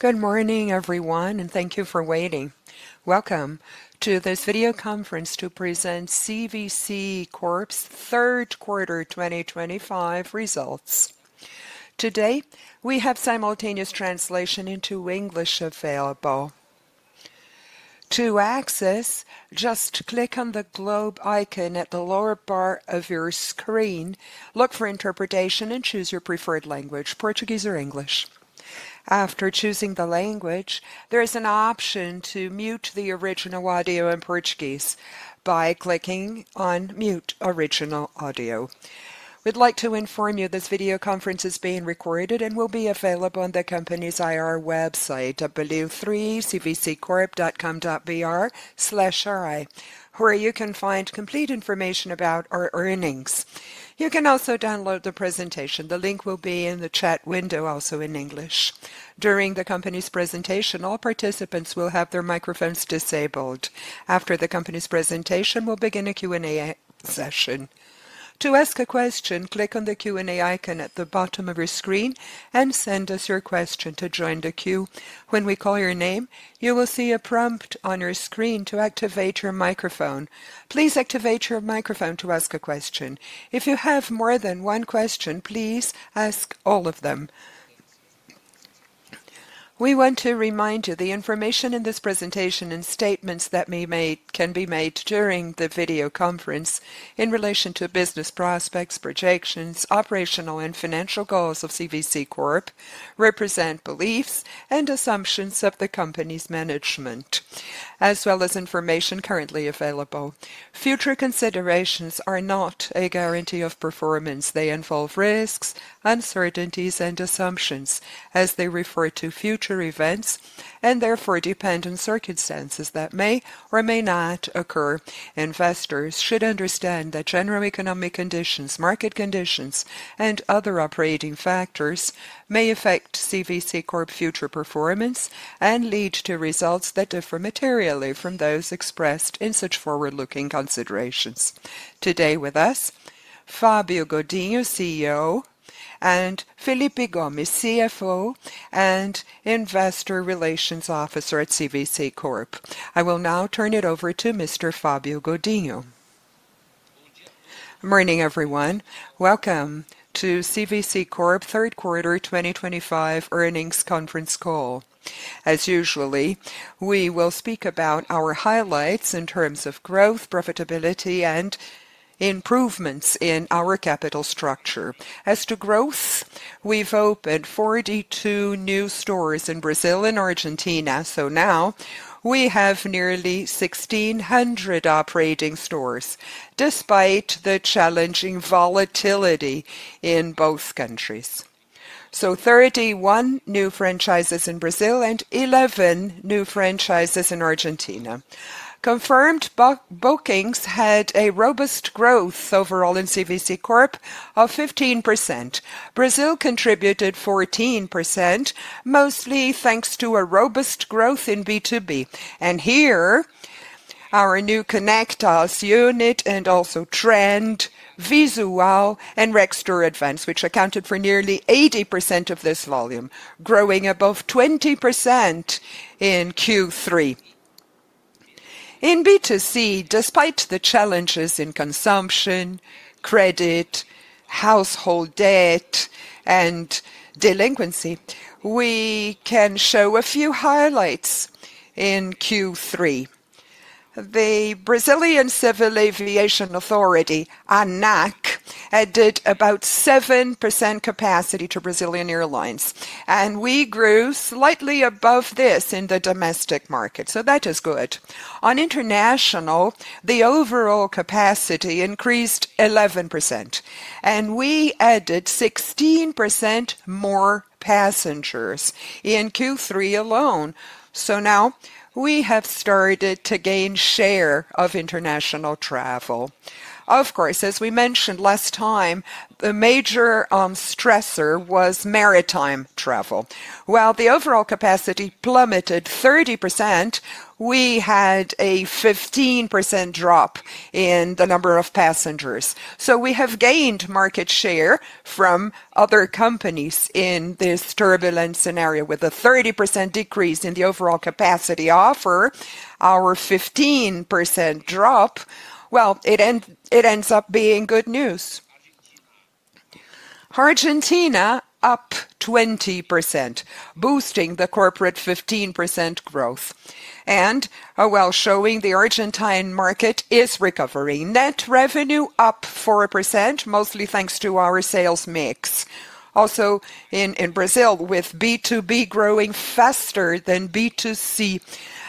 Good morning, everyone, and thank you for waiting. Welcome to this video conference to present CVC Corp's third quarter 2025 results. Today, we have simultaneous translation into English available. To access, just click on the globe icon at the lower bar of your screen, look for "Interpretation," and choose your preferred language: Portuguese or English. After choosing the language, there is an option to mute the original audio in Portuguese by clicking on "Mute Original Audio." We'd like to inform you this video conference is being recorded and will be available on the company's IR website: www.cvccorp.com.br/ri, where you can find complete information about our earnings. You can also download the presentation. The link will be in the chat window, also in English. During the company's presentation, all participants will have their microphones disabled. After the company's presentation, we'll begin a Q&A session. To ask a question, click on the Q&A icon at the bottom of your screen and send us your question to join the queue. When we call your name, you will see a prompt on your screen to activate your microphone. Please activate your microphone to ask a question. If you have more than one question, please ask all of them. We want to remind you the information in this presentation and statements that may be made during the video conference in relation to business prospects, projections, operational, and financial goals of CVC Corp represent beliefs and assumptions of the company's management, as well as information currently available. Future considerations are not a guarantee of performance. They involve risks, uncertainties, and assumptions as they refer to future events and therefore depend on circumstances that may or may not occur. Investors should understand that general economic conditions, market conditions, and other operating factors may affect CVC Corp's future performance and lead to results that differ materially from those expressed in such forward-looking considerations. Today with us, Fabio Godinho, CEO, and Felipe Gomes, CFO and Investor Relations Officer at CVC Corp. I will now turn it over to Mr. Fabio Godinho. Good morning, everyone. Welcome to CVC Corp's third quarter 2025 earnings conference call. As usual, we will speak about our highlights in terms of growth, profitability, and improvements in our capital structure. As to growth, we've opened 42 new stores in Brazil and Argentina, so now we have nearly 1,600 operating stores despite the challenging volatility in both countries. Thirty-one new franchises in Brazil and 11 new franchises in Argentina. Confirmed bookings had a robust growth overall in CVC Corp of 15%. Brazil contributed 14%, mostly thanks to a robust growth in B2B. Here, our new Connect Us unit and also Trend, Visual, and Rextur Advance, which accounted for nearly 80% of this volume, growing above 20% in Q3. In B2C, despite the challenges in consumption, credit, household debt, and delinquency, we can show a few highlights in Q3. The Brazilian Civil Aviation Authority, ANAC, added about 7% capacity to Brazilian Airlines, and we grew slightly above this in the domestic market, so that is good. On international, the overall capacity increased 11%, and we added 16% more passengers in Q3 alone. Now we have started to gain share of international travel. Of course, as we mentioned last time, the major stressor was maritime travel. While the overall capacity plummeted 30%, we had a 15% drop in the number of passengers. We have gained market share from other companies in this turbulent scenario. With a 30% decrease in the overall capacity offer, our 15% drop, it ends up being good news. Argentina up 20%, boosting the corporate 15% growth and, showing the Argentine market is recovering. Net revenue up 4%, mostly thanks to our sales mix. Also in Brazil, with B2B growing faster than B2C,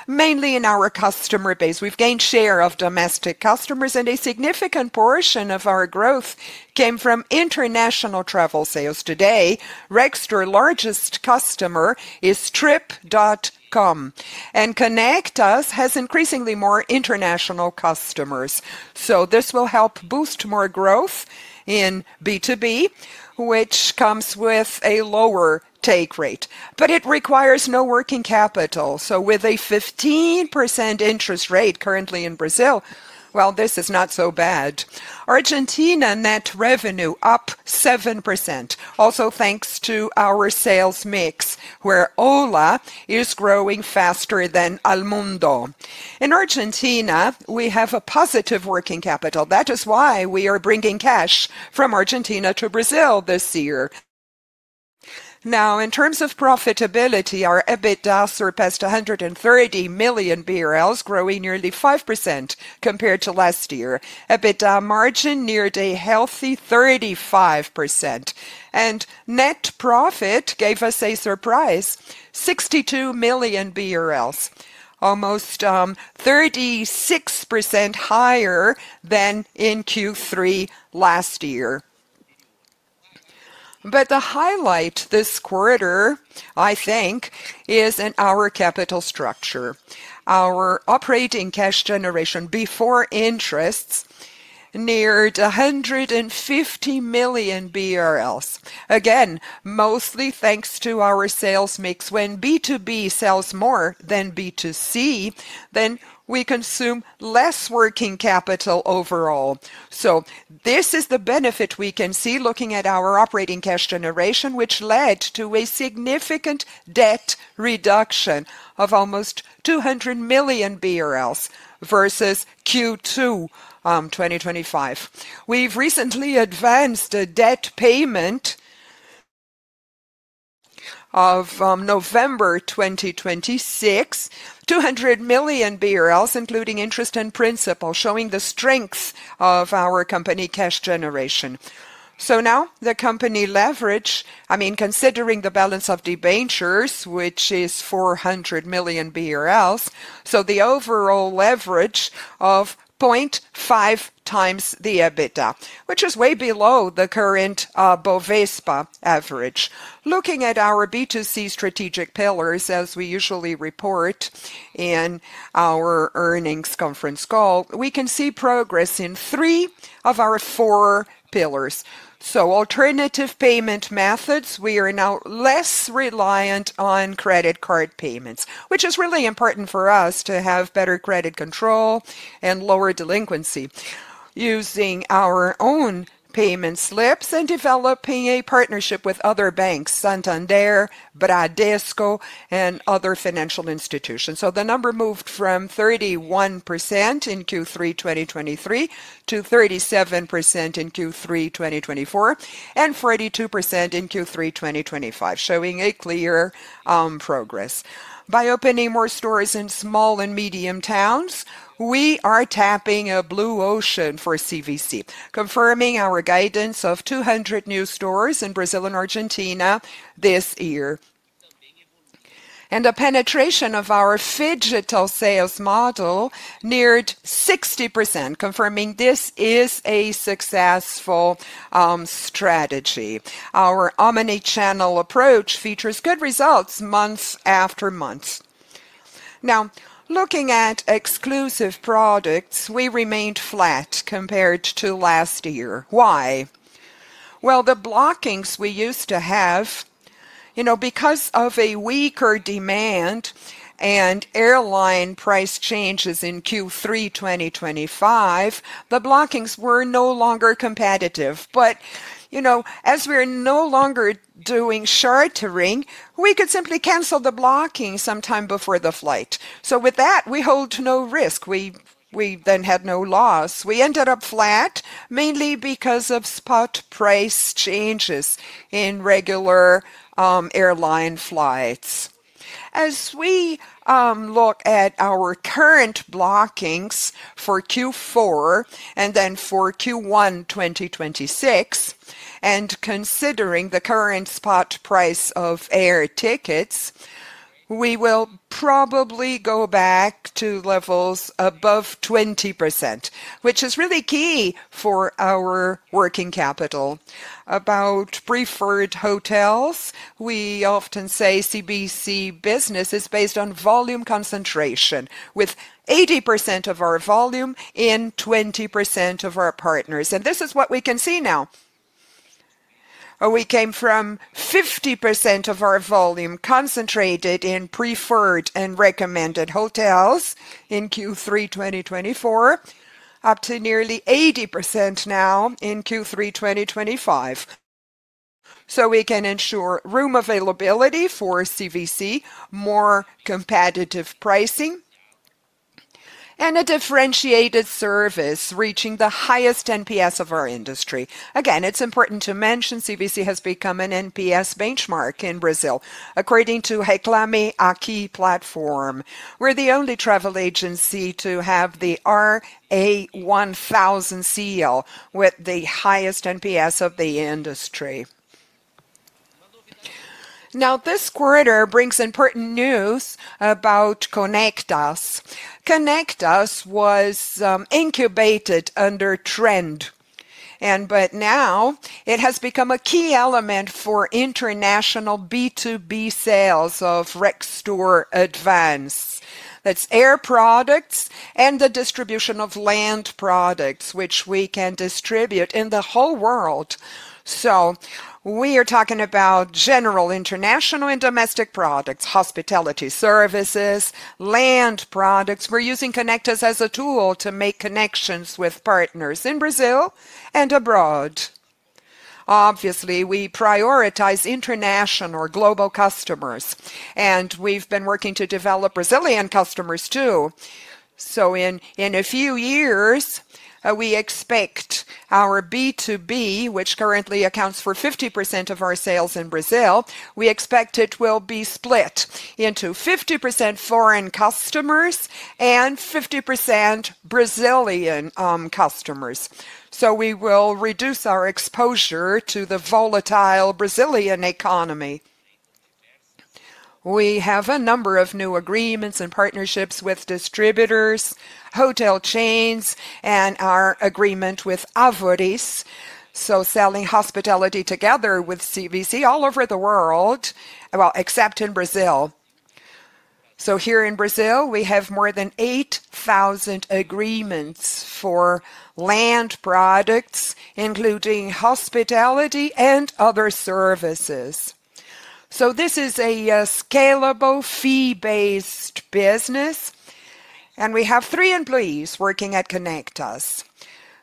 mainly in our customer base, we've gained share of domestic customers, and a significant portion of our growth came from international travel sales. Today, Rextur's largest customer is Trip.com, and Connect Us has increasingly more international customers. This will help boost more growth in B2B, which comes with a lower take rate, but it requires no working capital. With a 15% interest rate currently in Brazil, this is not so bad. Argentina net revenue up 7%, also thanks to our sales mix, where Ola is growing faster than Almundo. In Argentina, we have a positive working capital. That is why we are bringing cash from Argentina to Brazil this year. Now, in terms of profitability, our EBITDA surpassed 130 million BRL, growing nearly 5% compared to last year. EBITDA margin neared a healthy 35%, and net profit gave us a surprise: 62 million BRL, almost 36% higher than in Q3 last year. The highlight this quarter, I think, is in our capital structure. Our operating cash generation before interests neared 150 million BRL. Again, mostly thanks to our sales mix. When B2B sells more than B2C, then we consume less working capital overall. This is the benefit we can see looking at our operating cash generation, which led to a significant debt reduction of almost 200 million BRL versus Q2 2025. We have recently advanced a debt payment of November 2026, 200 million BRL, including interest and principal, showing the strength of our company cash generation. Now the company leverage, I mean, considering the balance of debentures, which is 400 million BRL, so the overall leverage of 0.5 times the EBITDA, which is way below the current B3 average. Looking at our B2C strategic pillars, as we usually report in our earnings conference call, we can see progress in three of our four pillars. Alternative payment methods, we are now less reliant on credit card payments, which is really important for us to have better credit control and lower delinquency using our own payment slips and developing a partnership with other banks, Santander, Bradesco, and other financial institutions. The number moved from 31% in Q3 2023 to 37% in Q3 2024 and 42% in Q3 2025, showing clear progress. By opening more stores in small and medium towns, we are tapping a blue ocean for CVC, confirming our guidance of 200 new stores in Brazil and Argentina this year. The penetration of our phygital sales model neared 60%, confirming this is a successful strategy. Our omnichannel approach features good results month after month. Now, looking at exclusive products, we remained flat compared to last year. The blockings we used to have, you know, because of a weaker demand and airline price changes in Q3 2025, the blockings were no longer competitive. You know, as we're no longer doing chartering, we could simply cancel the blocking sometime before the flight. With that, we hold no risk. We then had no loss. We ended up flat mainly because of spot price changes in regular airline flights. As we look at our current blockings for Q4 and then for Q1 2026, and considering the current spot price of air tickets, we will probably go back to levels above 20%, which is really key for our working capital. About preferred hotels, we often say CVC business is based on volume concentration, with 80% of our volume in 20% of our partners. This is what we can see now. We came from 50% of our volume concentrated in preferred and recommended hotels in Q3 2024 up to nearly 80% now in Q3 2025. We can ensure room availability for CVC, more competitive pricing, and a differentiated service reaching the highest NPS of our industry. Again, it is important to mention CVC has become an NPS benchmark in Brazil, according to Reclame Aqui platform. We're the only travel agency to have the RA1000 seal with the highest NPS of the industry. Now, this quarter brings important news about Connect Us. Connect Us was incubated under Trend, but now it has become a key element for international B2B sales of Rextur Advance. That's air products and the distribution of land products, which we can distribute in the whole world. We are talking about general international and domestic products, hospitality services, land products. We're using Connect Us as a tool to make connections with partners in Brazil and abroad. Obviously, we prioritize international or global customers, and we've been working to develop Brazilian customers too. In a few years, we expect our B2B, which currently accounts for 50% of our sales in Brazil, we expect it will be split into 50% foreign customers and 50% Brazilian customers. We will reduce our exposure to the volatile Brazilian economy. We have a number of new agreements and partnerships with distributors, hotel chains, and our agreement with Avoris, selling hospitality together with CVC all over the world, except in Brazil. Here in Brazil, we have more than 8,000 agreements for land products, including hospitality and other services. This is a scalable fee-based business, and we have three employees working at Connect Us.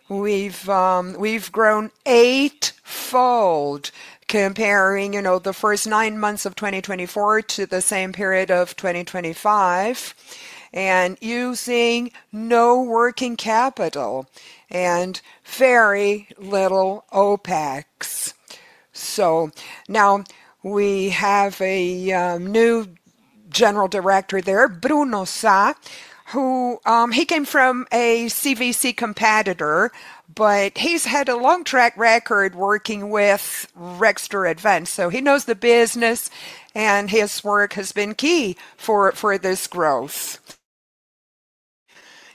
We have grown eightfold comparing, you know, the first nine months of 2024 to the same period of 2025, and using no working capital and very little OPEX. Now we have a new General Director there, Bruno Sá, who came from a CVC competitor, but he has had a long track record working with Rextur Advance. He knows the business, and his work has been key for this growth.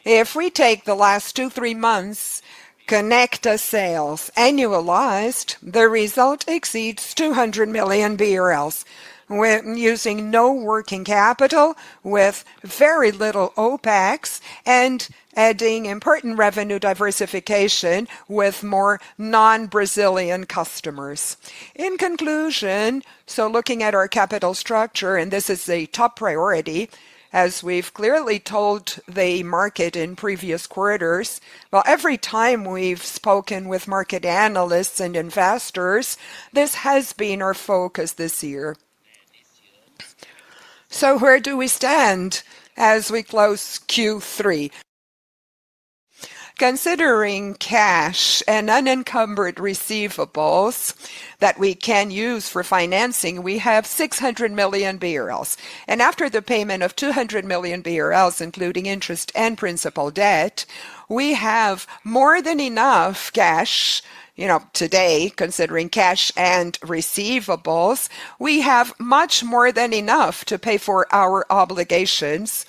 If we take the last two, three months, Connect Us sales annualized, the result exceeds 200 million BRL when using no working capital, with very little OPEX, and adding important revenue diversification with more non-Brazilian customers. In conclusion, looking at our capital structure, and this is a top priority, as we've clearly told the market in previous quarters, every time we've spoken with market analysts and investors, this has been our focus this year. Where do we stand as we close Q3? Considering cash and unencumbered receivables that we can use for financing, we have 600 million BRL. After the payment of 200 million BRL, including interest and principal debt, we have more than enough cash, you know, today, considering cash and receivables. We have much more than enough to pay for our obligations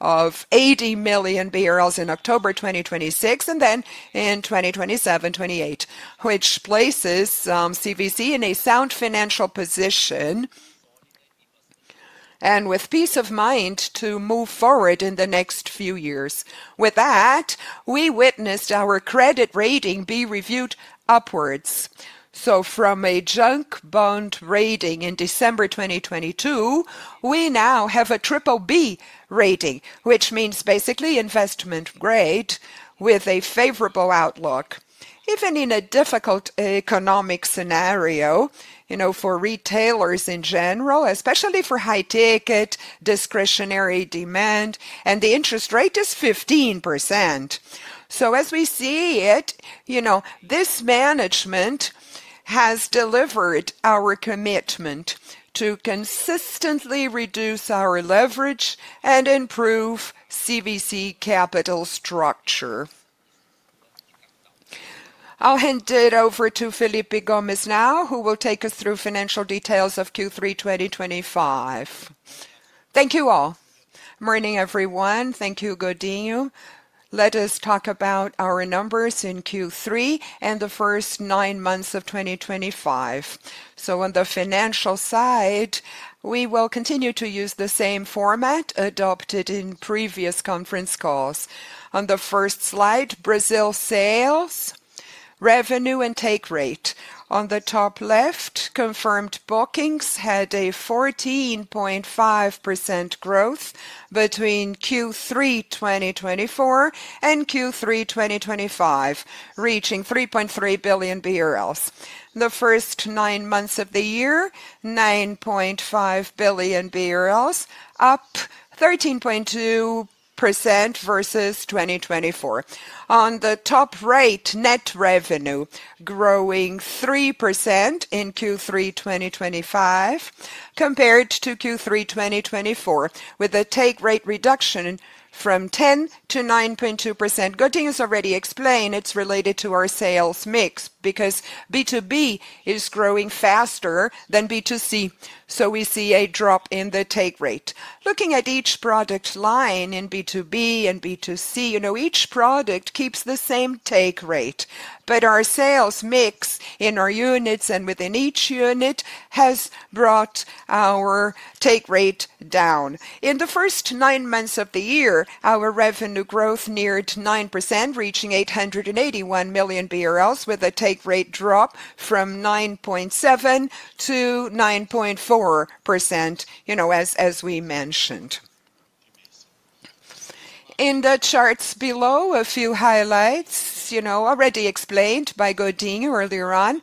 of 80 million BRL in October 2026 and then in 2027, 2028, which places CVC in a sound financial position and with peace of mind to move forward in the next few years. With that, we witnessed our credit rating be reviewed upwards. From a junk bond rating in December 2022, we now have a triple B rating, which means basically investment grade with a favorable outlook. Even in a difficult economic scenario, you know, for retailers in general, especially for high ticket, discretionary demand, and the interest rate is 15%. As we see it, you know, this management has delivered our commitment to consistently reduce our leverage and improve CVC capital structure. I'll hand it over to Felipe Gomes now, who will take us through financial details of Q3 2025. Thank you all. Morning, everyone. Thank you, Godinho. Let us talk about our numbers in Q3 and the first nine months of 2025. On the financial side, we will continue to use the same format adopted in previous conference calls. On the first slide, Brazil sales, revenue, and take rate. On the top left, confirmed bookings had a 14.5% growth between Q3 2024 and Q3 2025, reaching 3.3 billion BRL. The first nine months of the year, 9.5 billion BRL, up 13.2% versus 2024. On the top right, net revenue growing 3% in Q3 2025 compared to Q3 2024, with a take rate reduction from 10%-9.2%. Godinho has already explained it is related to our sales mix because B2B is growing faster than B2C. We see a drop in the take rate. Looking at each product line in B2B and B2C, you know, each product keeps the same take rate, but our sales mix in our units and within each unit has brought our take rate down. In the first nine months of the year, our revenue growth neared 9%, reaching 881 million BRL, with a take rate drop from 9.7%-9.4%, you know, as we mentioned. In the charts below, a few highlights, you know, already explained by Godinho earlier on.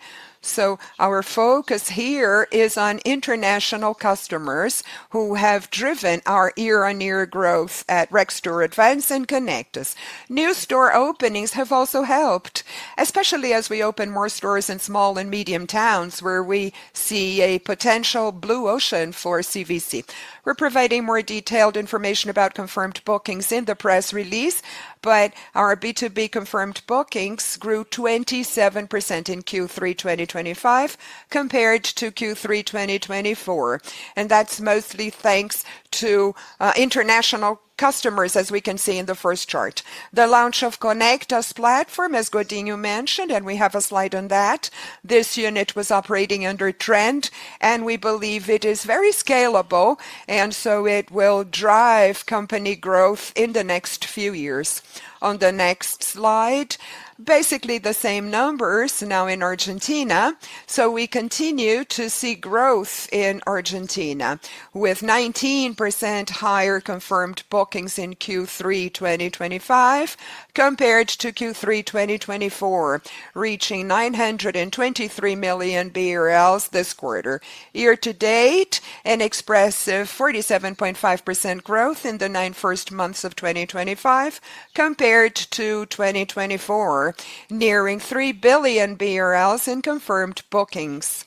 Our focus here is on international customers who have driven our year-on-year growth at Rextur Advance and Connect Us. New store openings have also helped, especially as we open more stores in small and medium towns where we see a potential blue ocean for CVC. We're providing more detailed information about confirmed bookings in the press release, but our B2B confirmed bookings grew 27% in Q3 2025 compared to Q3 2024. That is mostly thanks to international customers, as we can see in the first chart. The launch of Connect Us platform, as Godinho mentioned, and we have a slide on that. This unit was operating under Trend, and we believe it is very scalable, and so it will drive company growth in the next few years. On the next slide, basically the same numbers now in Argentina. We continue to see growth in Argentina with 19% higher confirmed bookings in Q3 2025 compared to Q3 2024, reaching 923 million BRL this quarter. Year to date, an expressive 47.5% growth in the nine first months of 2025 compared to 2024, nearing 3 billion BRL in confirmed bookings.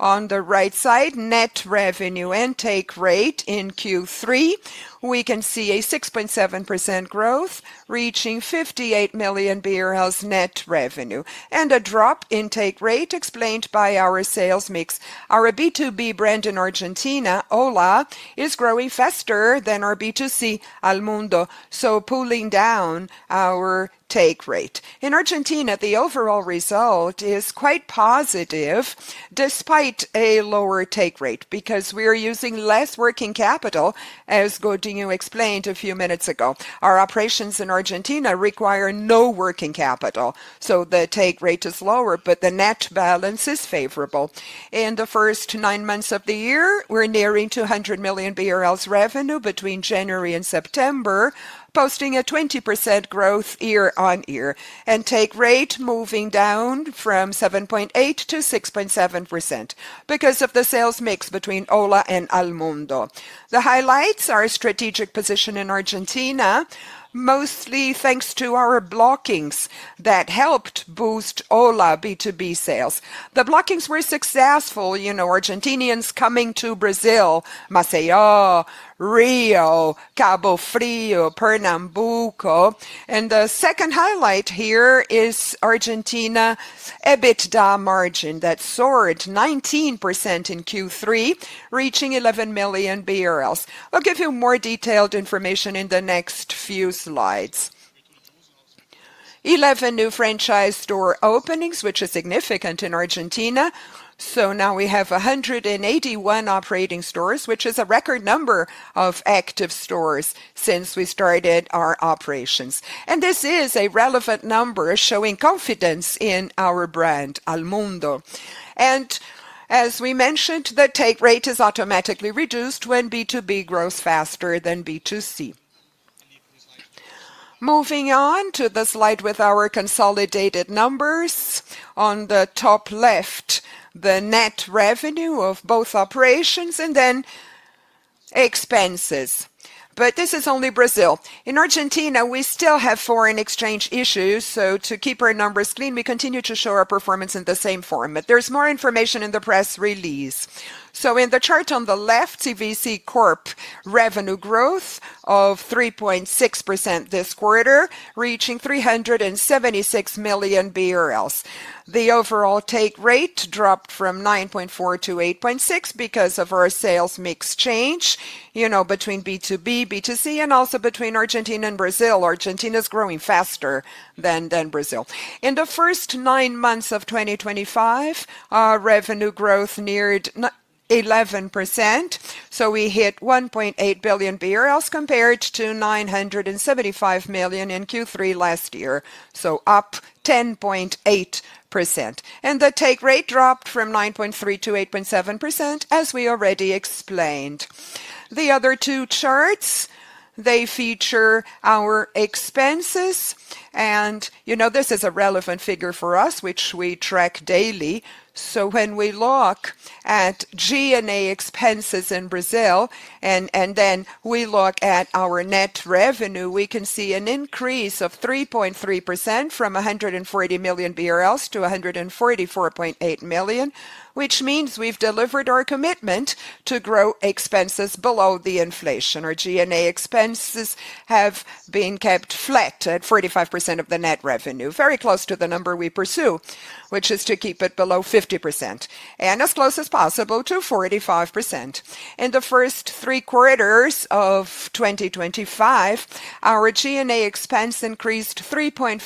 On the right side, net revenue and take rate in Q3, we can see a 6.7% growth reaching 58 million BRL net revenue and a drop in take rate explained by our sales mix. Our B2B brand in Argentina, Ola, is growing faster than our B2C, Almundo, so pulling down our take rate. In Argentina, the overall result is quite positive despite a lower take rate because we are using less working capital, as Godinho explained a few minutes ago. Our operations in Argentina require no working capital, so the take rate is lower, but the net balance is favorable. In the first nine months of the year, we're nearing 200 million BRL revenue between January and September, posting a 20% growth year-on- year, and take rate moving down from 7.8%-6.7% because of the sales mix between Ola and Almundo. The highlights are a strategic position in Argentina, mostly thanks to our blockings that helped boost Ola B2B sales. The blockings were successful, you know, Argentinians coming to Brazil, Maceió, Rio de Janeiro, Cabo Frio, Pernambuco. The second highlight here is Argentina's EBITDA margin that soared 19% in Q3, reaching 11 million. I'll give you more detailed information in the next few slides. Eleven new franchise store openings, which is significant in Argentina. Now we have 181 operating stores, which is a record number of active stores since we started our operations. This is a relevant number showing confidence in our brand, Almundo. As we mentioned, the take rate is automatically reduced when B2B grows faster than B2C. Moving on to the slide with our consolidated numbers. On the top left, the net revenue of both operations and then expenses. This is only Brazil. In Argentina, we still have foreign exchange issues. To keep our numbers clean, we continue to show our performance in the same form. There is more information in the press release. In the chart on the left, CVC Corp revenue growth of 3.6% this quarter, reaching 376 million BRL. The overall take rate dropped from 9.4%-8.6% because of our sales mix change, you know, between B2B, B2C, and also between Argentina and Brazil. Argentina is growing faster than Brazil. In the first nine months of 2025, our revenue growth neared 11%. We hit 1.8 billion BRL compared to 975 million in Q3 last year. Up 10.8%. The take rate dropped from 9.3%-8.7%, as we already explained. The other two charts, they feature our expenses. You know, this is a relevant figure for us, which we track daily. When we look at G&A expenses in Brazil, and then we look at our net revenue, we can see an increase of 3.3% from 140 million BRL to 144.8 million, which means we've delivered our commitment to grow expenses below the inflation. Our G&A expenses have been kept flat at 45% of the net revenue, very close to the number we pursue, which is to keep it below 50% and as close as possible to 45%. In the first three quarters of 2025, our G&A expense increased 3.4%. You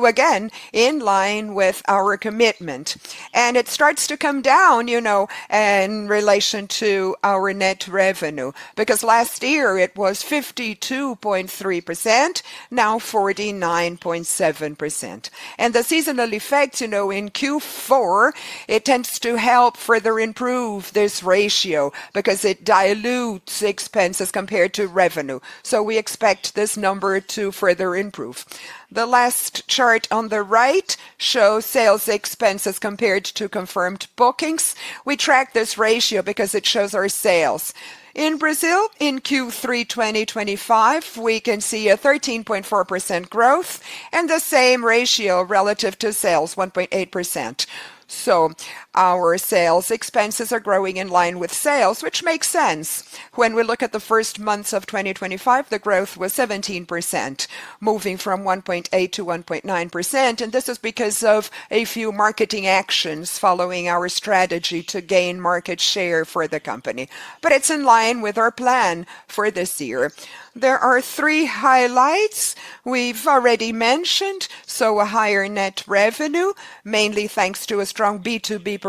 know, again, in line with our commitment. It starts to come down, you know, in relation to our net revenue because last year it was 52.3%, now 49.7%. The seasonal effect, you know, in Q4, it tends to help further improve this ratio because it dilutes expenses compared to revenue. We expect this number to further improve. The last chart on the right shows sales expenses compared to confirmed bookings. We track this ratio because it shows our sales. In Brazil, in Q3 2025, we can see a 13.4% growth and the same ratio relative to sales, 1.8%. Our sales expenses are growing in line with sales, which makes sense. When we look at the first months of 2025, the growth was 17%, moving from 1.8% to 1.9%. This is because of a few marketing actions following our strategy to gain market share for the company. It is in line with our plan for this year. There are three highlights we have already mentioned. A higher net revenue, mainly thanks to a strong B2B performance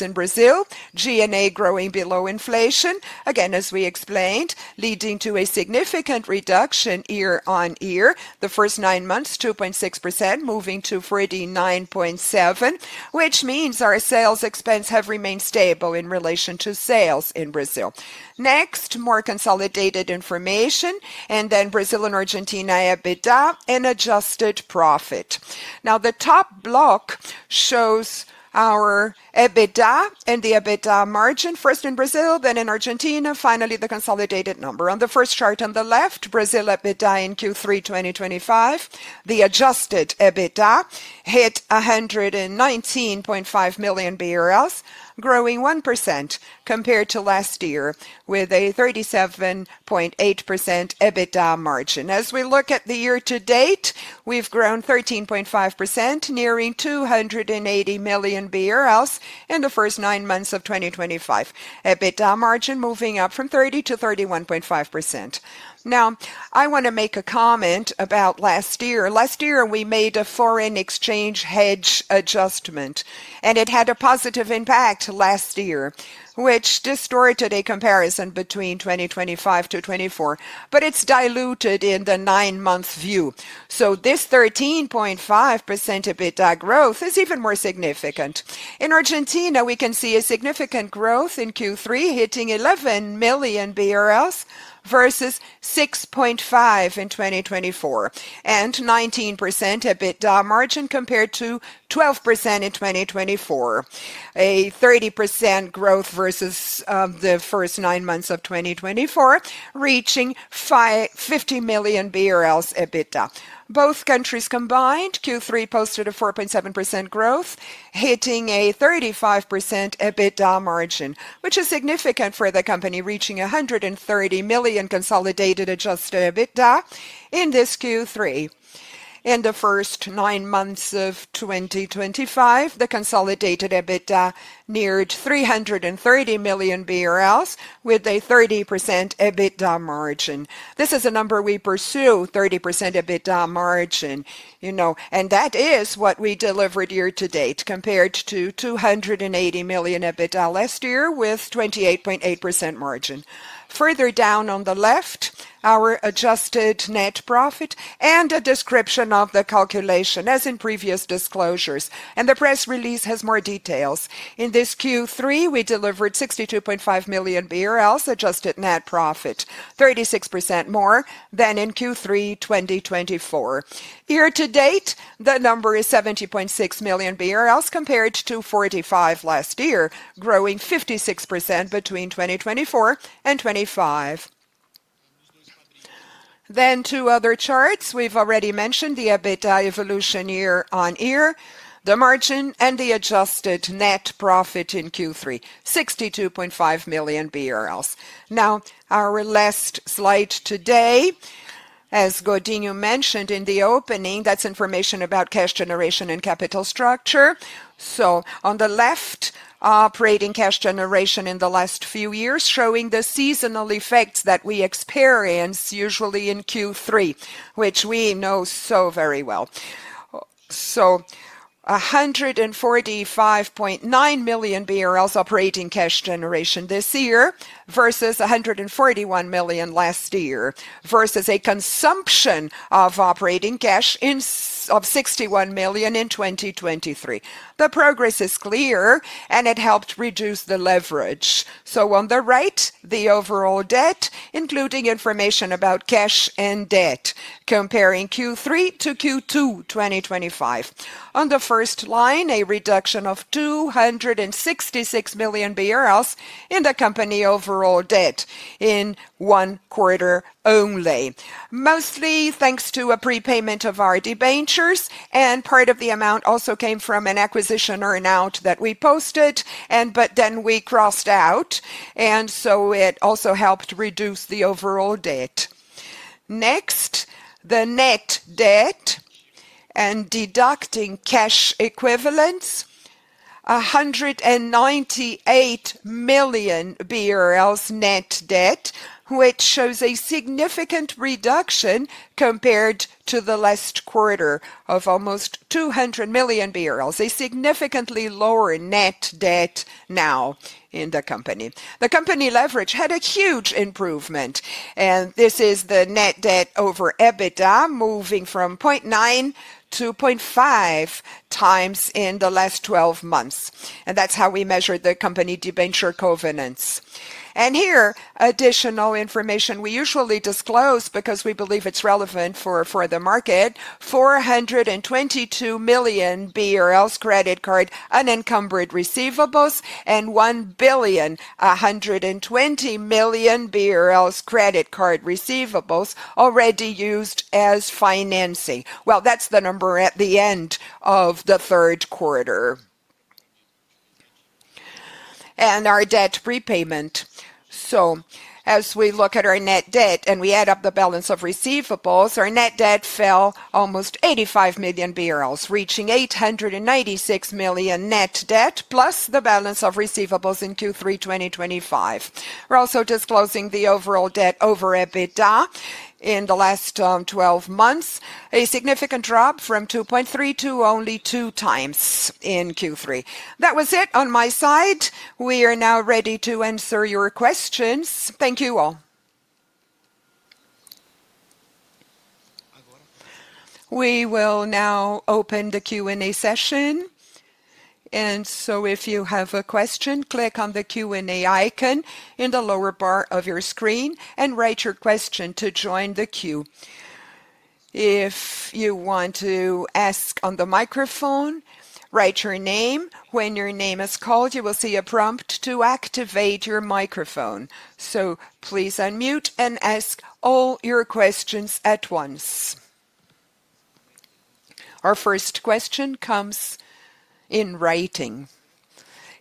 in Brazil, G&A growing below inflation. Again, as we explained, leading to a significant reduction year-on-year. The first nine months, 2.6%, moving to 49.7%, which means our sales expense have remained stable in relation to sales in Brazil. Next, more consolidated information, and then Brazil and Argentina EBITDA and adjusted profit. Now, the top block shows our EBITDA and the EBITDA margin, first in Brazil, then in Argentina, finally the consolidated number. On the first chart on the left, Brazil EBITDA in Q3 2025, the adjusted EBITDA hit 119.5 million BRL, growing 1% compared to last year with a 37.8% EBITDA margin. As we look at the year to date, we've grown 13.5%, nearing 280 million BRL in the first nine months of 2025. EBITDA margin moving up from 30%-31.5%. Now, I want to make a comment about last year. Last year, we made a foreign exchange hedge adjustment, and it had a positive impact last year, which distorted a comparison between 2025-2024, but it's diluted in the nine-month view. So this 13.5% EBITDA growth is even more significant. In Argentina, we can see a significant growth in Q3, hitting 11 million BRL versus 6.5% in 2024, and 19% EBITDA margin compared to 12% in 2024, a 30% growth versus the first nine months of 2024, reaching 50 million BRL EBITDA. Both countries combined, Q3 posted a 4.7% growth, hitting a 35% EBITDA margin, which is significant for the company, reaching 130 million consolidated adjusted EBITDA in this Q3. In the first nine months of 2025, the consolidated EBITDA neared 330 million BRL with a 30% EBITDA margin. This is a number we pursue, 30% EBITDA margin, you know, and that is what we delivered year to date compared to 280 million EBITDA last year with 28.8% margin. Further down on the left, our adjusted net profit and a description of the calculation as in previous disclosures. The press release has more details. In this Q3, we delivered 62.5 million BRL adjusted net profit, 36% more than in Q3 2024. Year to date, the number is 70.6 million BRL compared to 45% last year, growing 56% between 2024 and 2025. Two other charts. We have already mentioned the EBITDA evolution year-on-year, the margin, and the adjusted net profit in Q3, 62.5 million BRL. Now, our last slide today, as Godinho mentioned in the opening, that is information about cash generation and capital structure. On the left, operating cash generation in the last few years showing the seasonal effects that we experience usually in Q3, which we know so very well. 145.9 million BRL operating cash generation this year versus 141 million last year versus a consumption of operating cash of 61 million in 2023. The progress is clear, and it helped reduce the leverage. On the right, the overall debt, including information about cash and debt, comparing Q3-Q2 2025. On the first line, a reduction of 266 million BRL in the company overall debt in one quarter only, mostly thanks to a prepayment of our debentures. Part of the amount also came from an acquisition or an out that we posted, but then we crossed out. It also helped reduce the overall debt. Next, the net debt and deducting cash equivalents, 198 million BRL net debt, which shows a significant reduction compared to the last quarter of almost 200 million, a significantly lower net debt now in the company. The company leverage had a huge improvement, and this is the net debt over EBITDA moving from 0.9 to 0.5 times in the last 12 months. That is how we measured the company debenture covenants. Here, additional information we usually disclose because we believe it is relevant for the market: 422 million BRL credit card unencumbered receivables and 1.12 billion credit card receivables already used as financing. That is the number at the end of the third quarter. Our debt repayment. As we look at our net debt and we add up the balance of receivables, our net debt fell almost 85 million, reaching 896 million net debt plus the balance of receivables in Q3 2025. We are also disclosing the overall debt over EBITDA in the last 12 months, a significant drop from 2.3 to only 2 times in Q3. That was it on my side. We are now ready to answer your questions. Thank you all. We will now open the Q&A session. If you have a question, click on the Q&A icon in the lower bar of your screen and write your question to join the queue. If you want to ask on the microphone, write your name. When your name is called, you will see a prompt to activate your microphone. Please unmute and ask all your questions at once. Our first question comes in writing.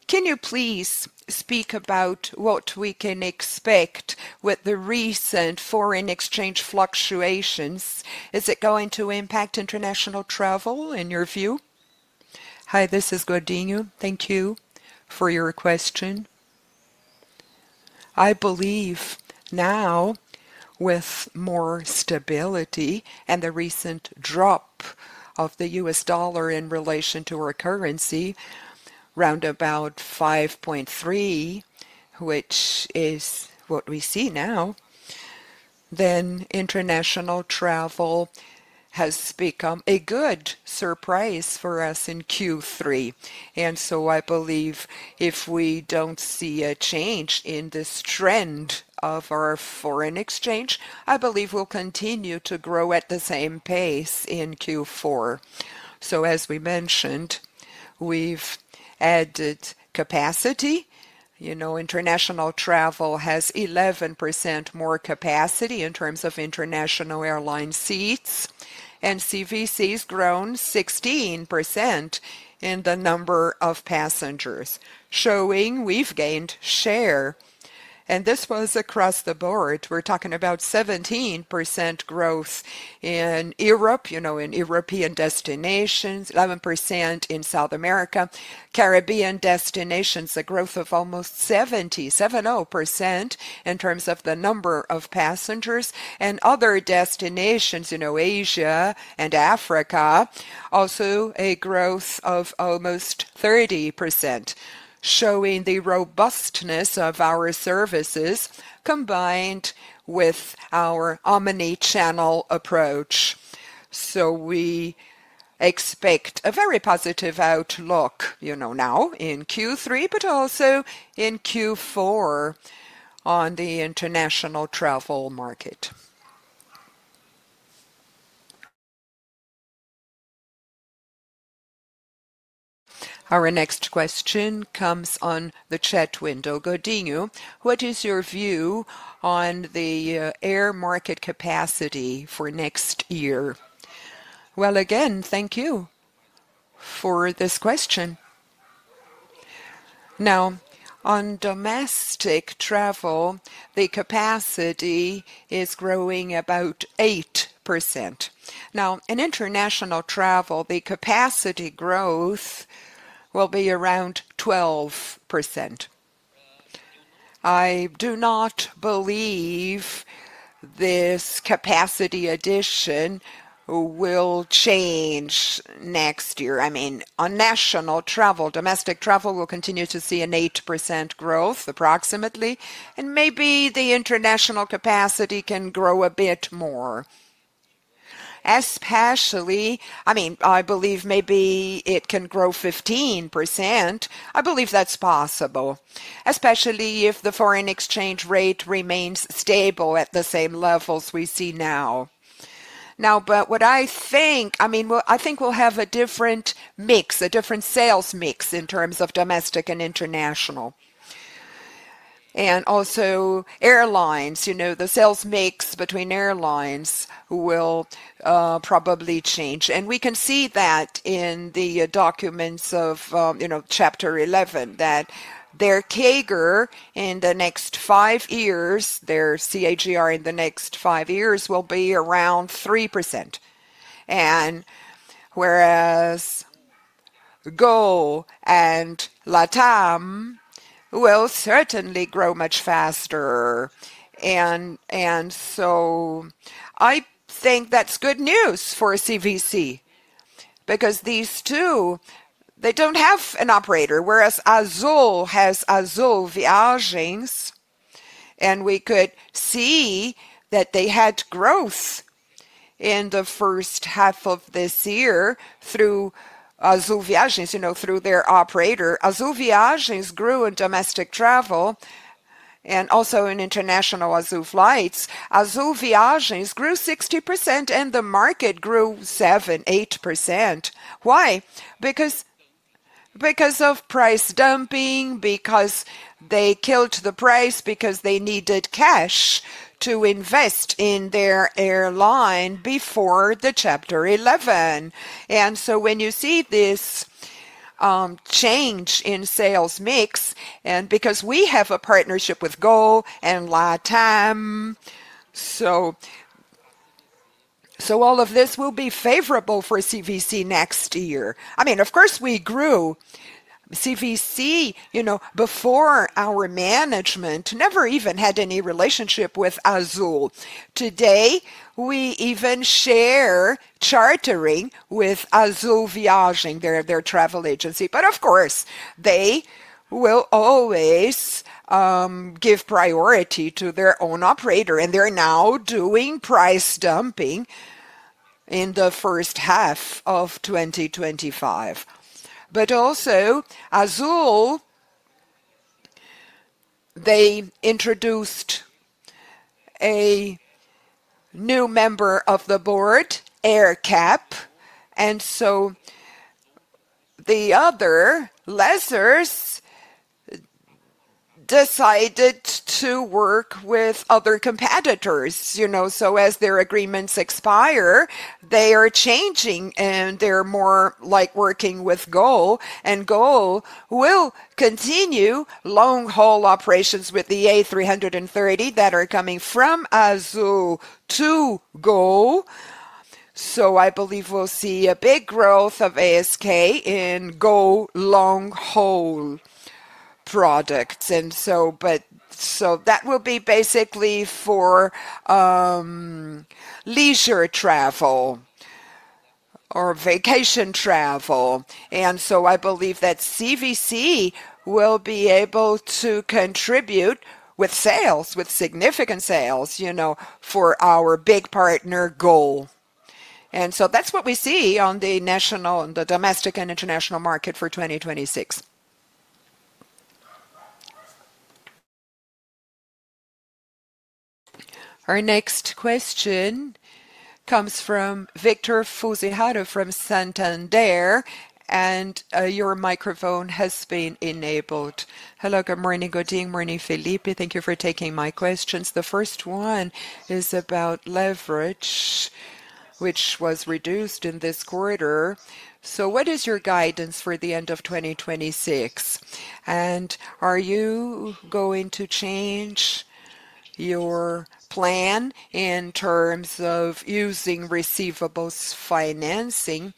Can you please speak about what we can expect with the recent foreign exchange fluctuations? Is it going to impact international travel in your view? Hi, this is Godinho. Thank you for your question. I believe now, with more stability and the recent drop of the US dollar in relation to our currency, around about $5.3, which is what we see now, international travel has become a good surprise for us in Q3. I believe if we do not see a change in this trend of our foreign exchange, I believe we will continue to grow at the same pace in Q4. As we mentioned, we have added capacity. You know, international travel has 11% more capacity in terms of international airline seats, and CVC has grown 16% in the number of passengers, showing we have gained share. This was across the board. We're talking about 17% growth in Europe, you know, in European destinations, 11% in South America, Caribbean destinations, a growth of almost 70-70% in terms of the number of passengers, and other destinations, you know, Asia and Africa, also a growth of almost 30%, showing the robustness of our services combined with our omnichannel approach. We expect a very positive outlook, you know, now in Q3, but also in Q4 on the international travel market. Our next question comes on the chat window. Godinho, what is your view on the air market capacity for next year? Thank you for this question. Now, on domestic travel, the capacity is growing about 8%. In international travel, the capacity growth will be around 12%. I do not believe this capacity addition will change next year. I mean, on national travel, domestic travel will continue to see an 8% growth approximately, and maybe the international capacity can grow a bit more. Especially, I mean, I believe maybe it can grow 15%. I believe that's possible, especially if the foreign exchange rate remains stable at the same levels we see now. Now, what I think, I mean, I think we'll have a different mix, a different sales mix in terms of domestic and international. Also, airlines, you know, the sales mix between airlines will probably change. We can see that in the documents of, you know, Chapter 11, that their CAGR in the next five years, their CAGR in the next five years will be around 3%. Whereas GOL and LATAM will certainly grow much faster. I think that's good news for CVC because these two, they don't have an operator, whereas Azul has Azul Viagens, and we could see that they had growth in the first half of this year through Azul Viagens, you know, through their operator. Azul Viagens grew in domestic travel and also in international Azul flights. Azul Viagens grew 60% and the market grew 7%-8%. Why? Because of price dumping, because they killed the price, because they needed cash to invest in their airline before the chapter 11. When you see this change in sales mix, and because we have a partnership with GO and LATAM, all of this will be favorable for CVC next year. I mean, of course we grew CVC, you know, before our management never even had any relationship with Azul. Today we even share chartering with Azul Viagens, their travel agency. Of course, they will always give priority to their own operator, and they're now doing price dumping in the first half of 2025. Also, Azul introduced a new member of the board, Aircap, and so the other lessors decided to work with other competitors, you know, so as their agreements expire, they are changing and they're more like working with GO, and GO will continue long-haul operations with the A330 that are coming from Azul to GO. I believe we'll see a big growth of ASK in GO long-haul products. That will be basically for leisure travel or vacation travel. I believe that CVC will be able to contribute with sales, with significant sales, you know, for our big partner GO. That is what we see on the national, the domestic and international market for 2026. Our next question comes from Victor Fuzihara from Santander, and your microphone has been enabled. Hello, good morning, Godinho, good morning, Felipe. Thank you for taking my questions. The first one is about leverage, which was reduced in this quarter. What is your guidance for the end of 2026? Are you going to change your plan in terms of using receivables financing?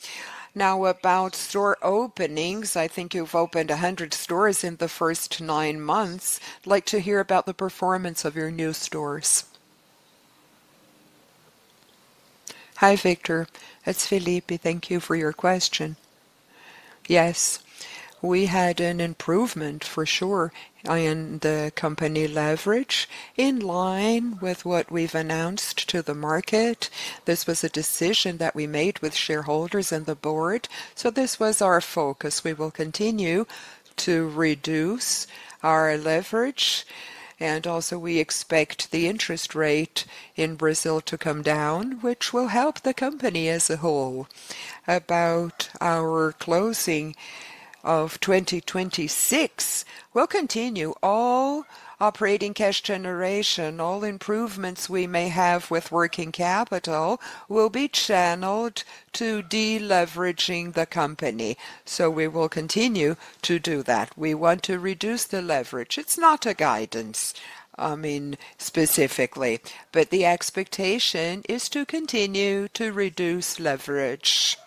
Now about store openings, I think you have opened 100 stores in the first nine months. I would like to hear about the performance of your new stores. Hi Victor, it is Felipe. Thank you for your question. Yes, we had an improvement for sure in the company leverage in line with what we have announced to the market. This was a decision that we made with shareholders and the board. This was our focus. We will continue to reduce our leverage, and also we expect the interest rate in Brazil to come down, which will help the company as a whole. About our closing of 2026, we'll continue all operating cash generation. All improvements we may have with working capital will be channeled to deleveraging the company. We will continue to do that. We want to reduce the leverage. It's not a guidance, I mean, specifically, but the expectation is to continue to reduce leverage.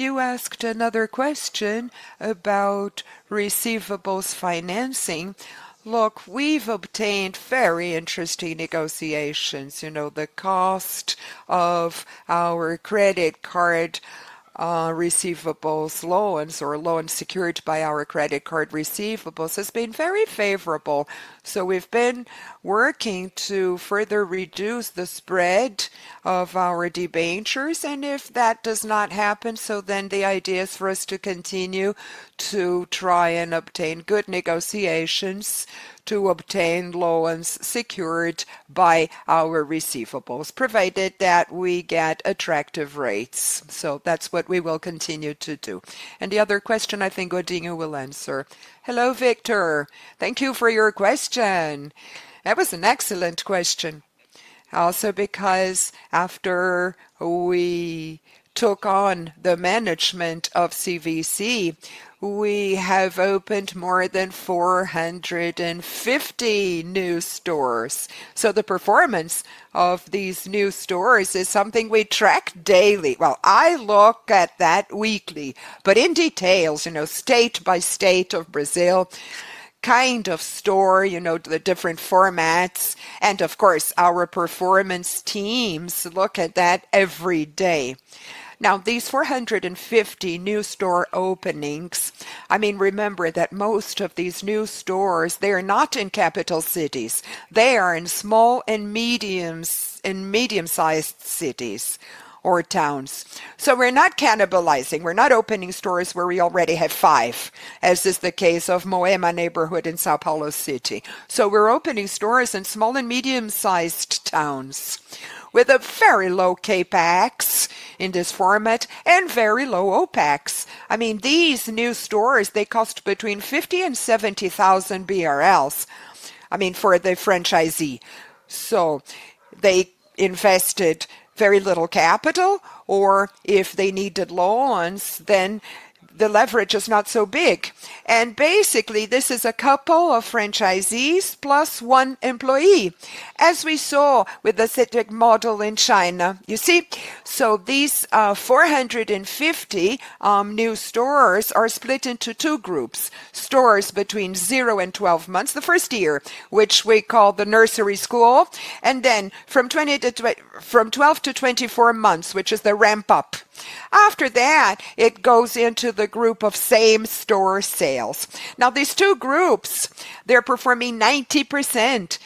You asked another question about receivables financing. Look, we've obtained very interesting negotiations. You know, the cost of our credit card receivables, loans, or loans secured by our credit card receivables has been very favorable. We've been working to further reduce the spread of our debentures. If that does not happen, the idea is for us to continue to try and obtain good negotiations to obtain loans secured by our receivables, provided that we get attractive rates. That is what we will continue to do. The other question I think Godinho will answer. Hello Victor, thank you for your question. That was an excellent question. Also because after we took on the management of CVC, we have opened more than 450 new stores. The performance of these new stores is something we track daily. I look at that weekly, but in detail, you know, state by state of Brazil, kind of store, you know, the different formats. Of course, our performance teams look at that every day. These 450 new store openings, I mean, remember that most of these new stores, they are not in capital cities. They are in small and medium sized cities or towns. We're not cannibalizing. We're not opening stores where we already have five, as is the case of Moema neighborhood in São Paulo City. We're opening stores in small and medium sized towns with a very low Capex in this format and very low OPEX. I mean, these new stores, they cost between 50,000 and 70,000 BRL, I mean, for the franchisee. They invested very little capital, or if they needed loans, then the leverage is not so big. Basically, this is a couple of franchisees plus one employee, as we saw with the CITIC model in China. You see, these 450 new stores are split into two groups: stores between 0 and 12 months, the first year, which we call the nursery school, and then from 12-24 months, which is the ramp up. After that, it goes into the group of same store sales. Now, these two groups, they're performing 90%,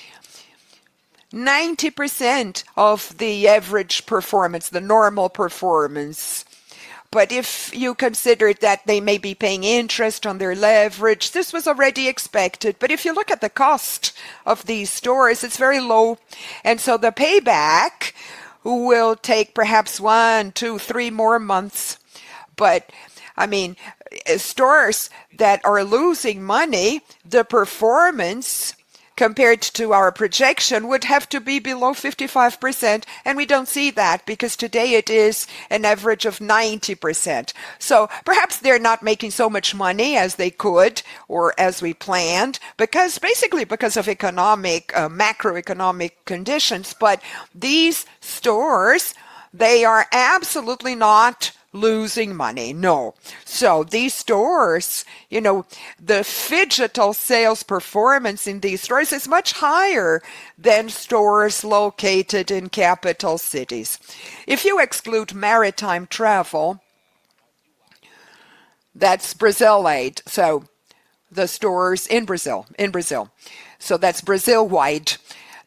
90% of the average performance, the normal performance. If you consider that they may be paying interest on their leverage, this was already expected. If you look at the cost of these stores, it's very low. The payback will take perhaps one, two, three more months. I mean, stores that are losing money, the performance compared to our projection would have to be below 55%. We don't see that because today it is an average of 90%. Perhaps they're not making so much money as they could or as we planned, basically because of economic, macroeconomic conditions. These stores, they are absolutely not losing money, no. These stores, you know, the phygital sales performance in these stores is much higher than stores located in capital cities. If you exclude maritime travel, that is Brazil-wide. The stores in Brazil, in Brazil. That is Brazil-wide.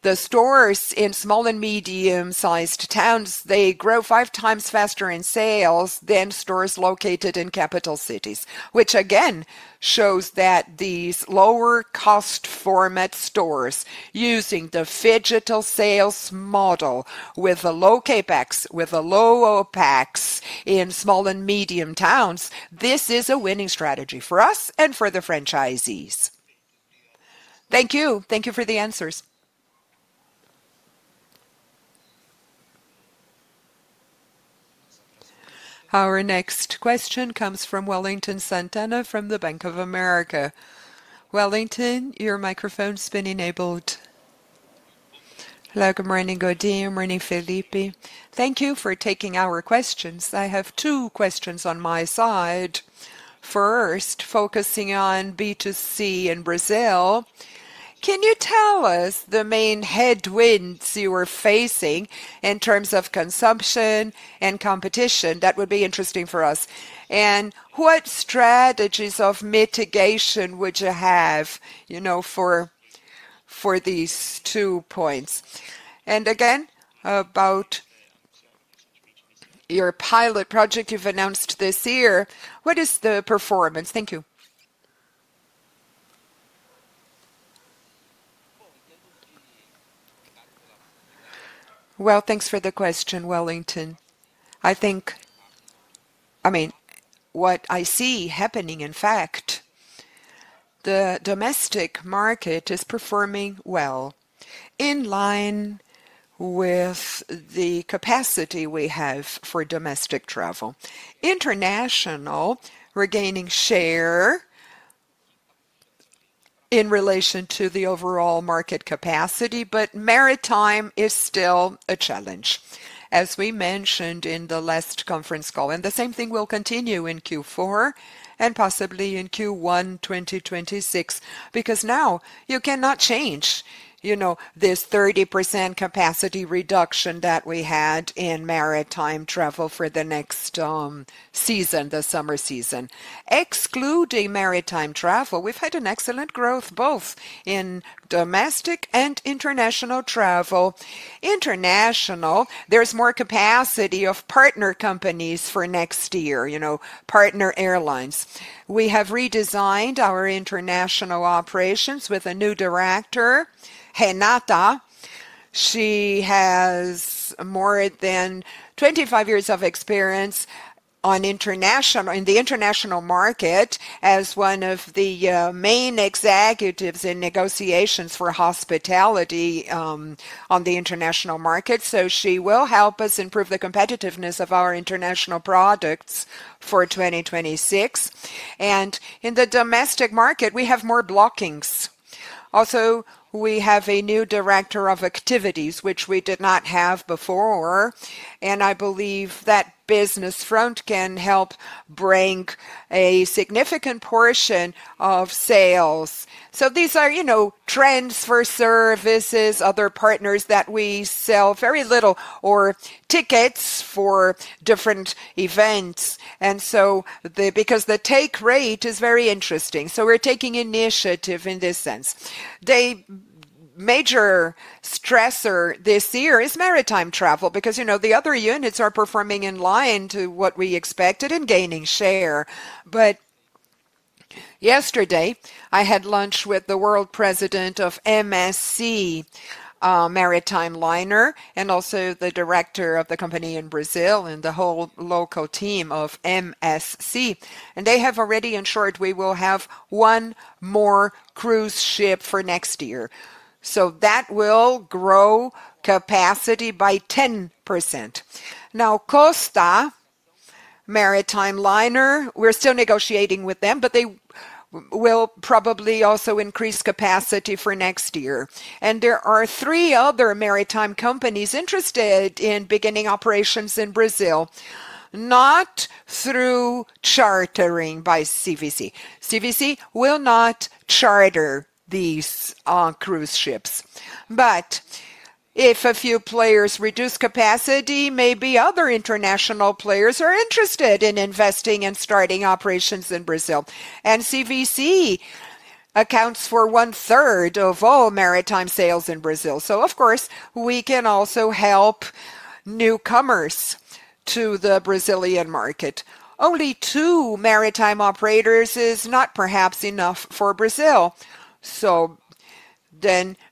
The stores in small and medium sized towns, they grow five times faster in sales than stores located in capital cities, which again shows that these lower cost format stores using the phygital sales model with the low Capex, with the low OPEX in small and medium towns, this is a winning strategy for us and for the franchisees. Thank you. Thank you for the answers. Our next question comes from Wellington Santana from Bank of America. Wellington, your microphone's been enabled. Hello, good morning, Godinho. Good morning, Felipe. Thank you for taking our questions. I have two questions on my side. First, focusing on B2C in Brazil, can you tell us the main headwinds you are facing in terms of consumption and competition? That would be interesting for us. What strategies of mitigation would you have, you know, for these two points? Again, about your pilot project you have announced this year, what is the performance? Thank you. Thanks for the question, Wellington. I think, I mean, what I see happening, in fact, the domestic market is performing well in line with the capacity we have for domestic travel. International, we are gaining share in relation to the overall market capacity, but maritime is still a challenge, as we mentioned in the last conference call. The same thing will continue in Q4 and possibly in Q1 2026, because now you cannot change, you know, this 30% capacity reduction that we had in maritime travel for the next season, the summer season. Excluding maritime travel, we've had an excellent growth both in domestic and international travel. International, there's more capacity of partner companies for next year, you know, partner airlines. We have redesigned our international operations with a new director, Renata. She has more than 25 years of experience on international, in the international market as one of the main executives in negotiations for hospitality on the international market. She will help us improve the competitiveness of our international products for 2026. In the domestic market, we have more blockings. Also, we have a new director of activities, which we did not have before. I believe that business front can help bring a significant portion of sales. These are, you know, trends for services, other partners that we sell very little, or tickets for different events. The take rate is very interesting. We're taking initiative in this sense. The major stressor this year is maritime travel because, you know, the other units are performing in line to what we expected and gaining share. Yesterday, I had lunch with the world president of MSC Cruises and also the director of the company in Brazil and the whole local team of MSC. They have already ensured we will have one more cruise ship for next year. That will grow capacity by 10%. Now, Costa Cruises, we're still negotiating with them, but they will probably also increase capacity for next year. There are three other maritime companies interested in beginning operations in Brazil, not through chartering by CVC. CVC will not charter these cruise ships. If a few players reduce capacity, maybe other international players are interested in investing and starting operations in Brazil. CVC accounts for one third of all maritime sales in Brazil. Of course, we can also help newcomers to the Brazilian market. Only two maritime operators is not perhaps enough for Brazil.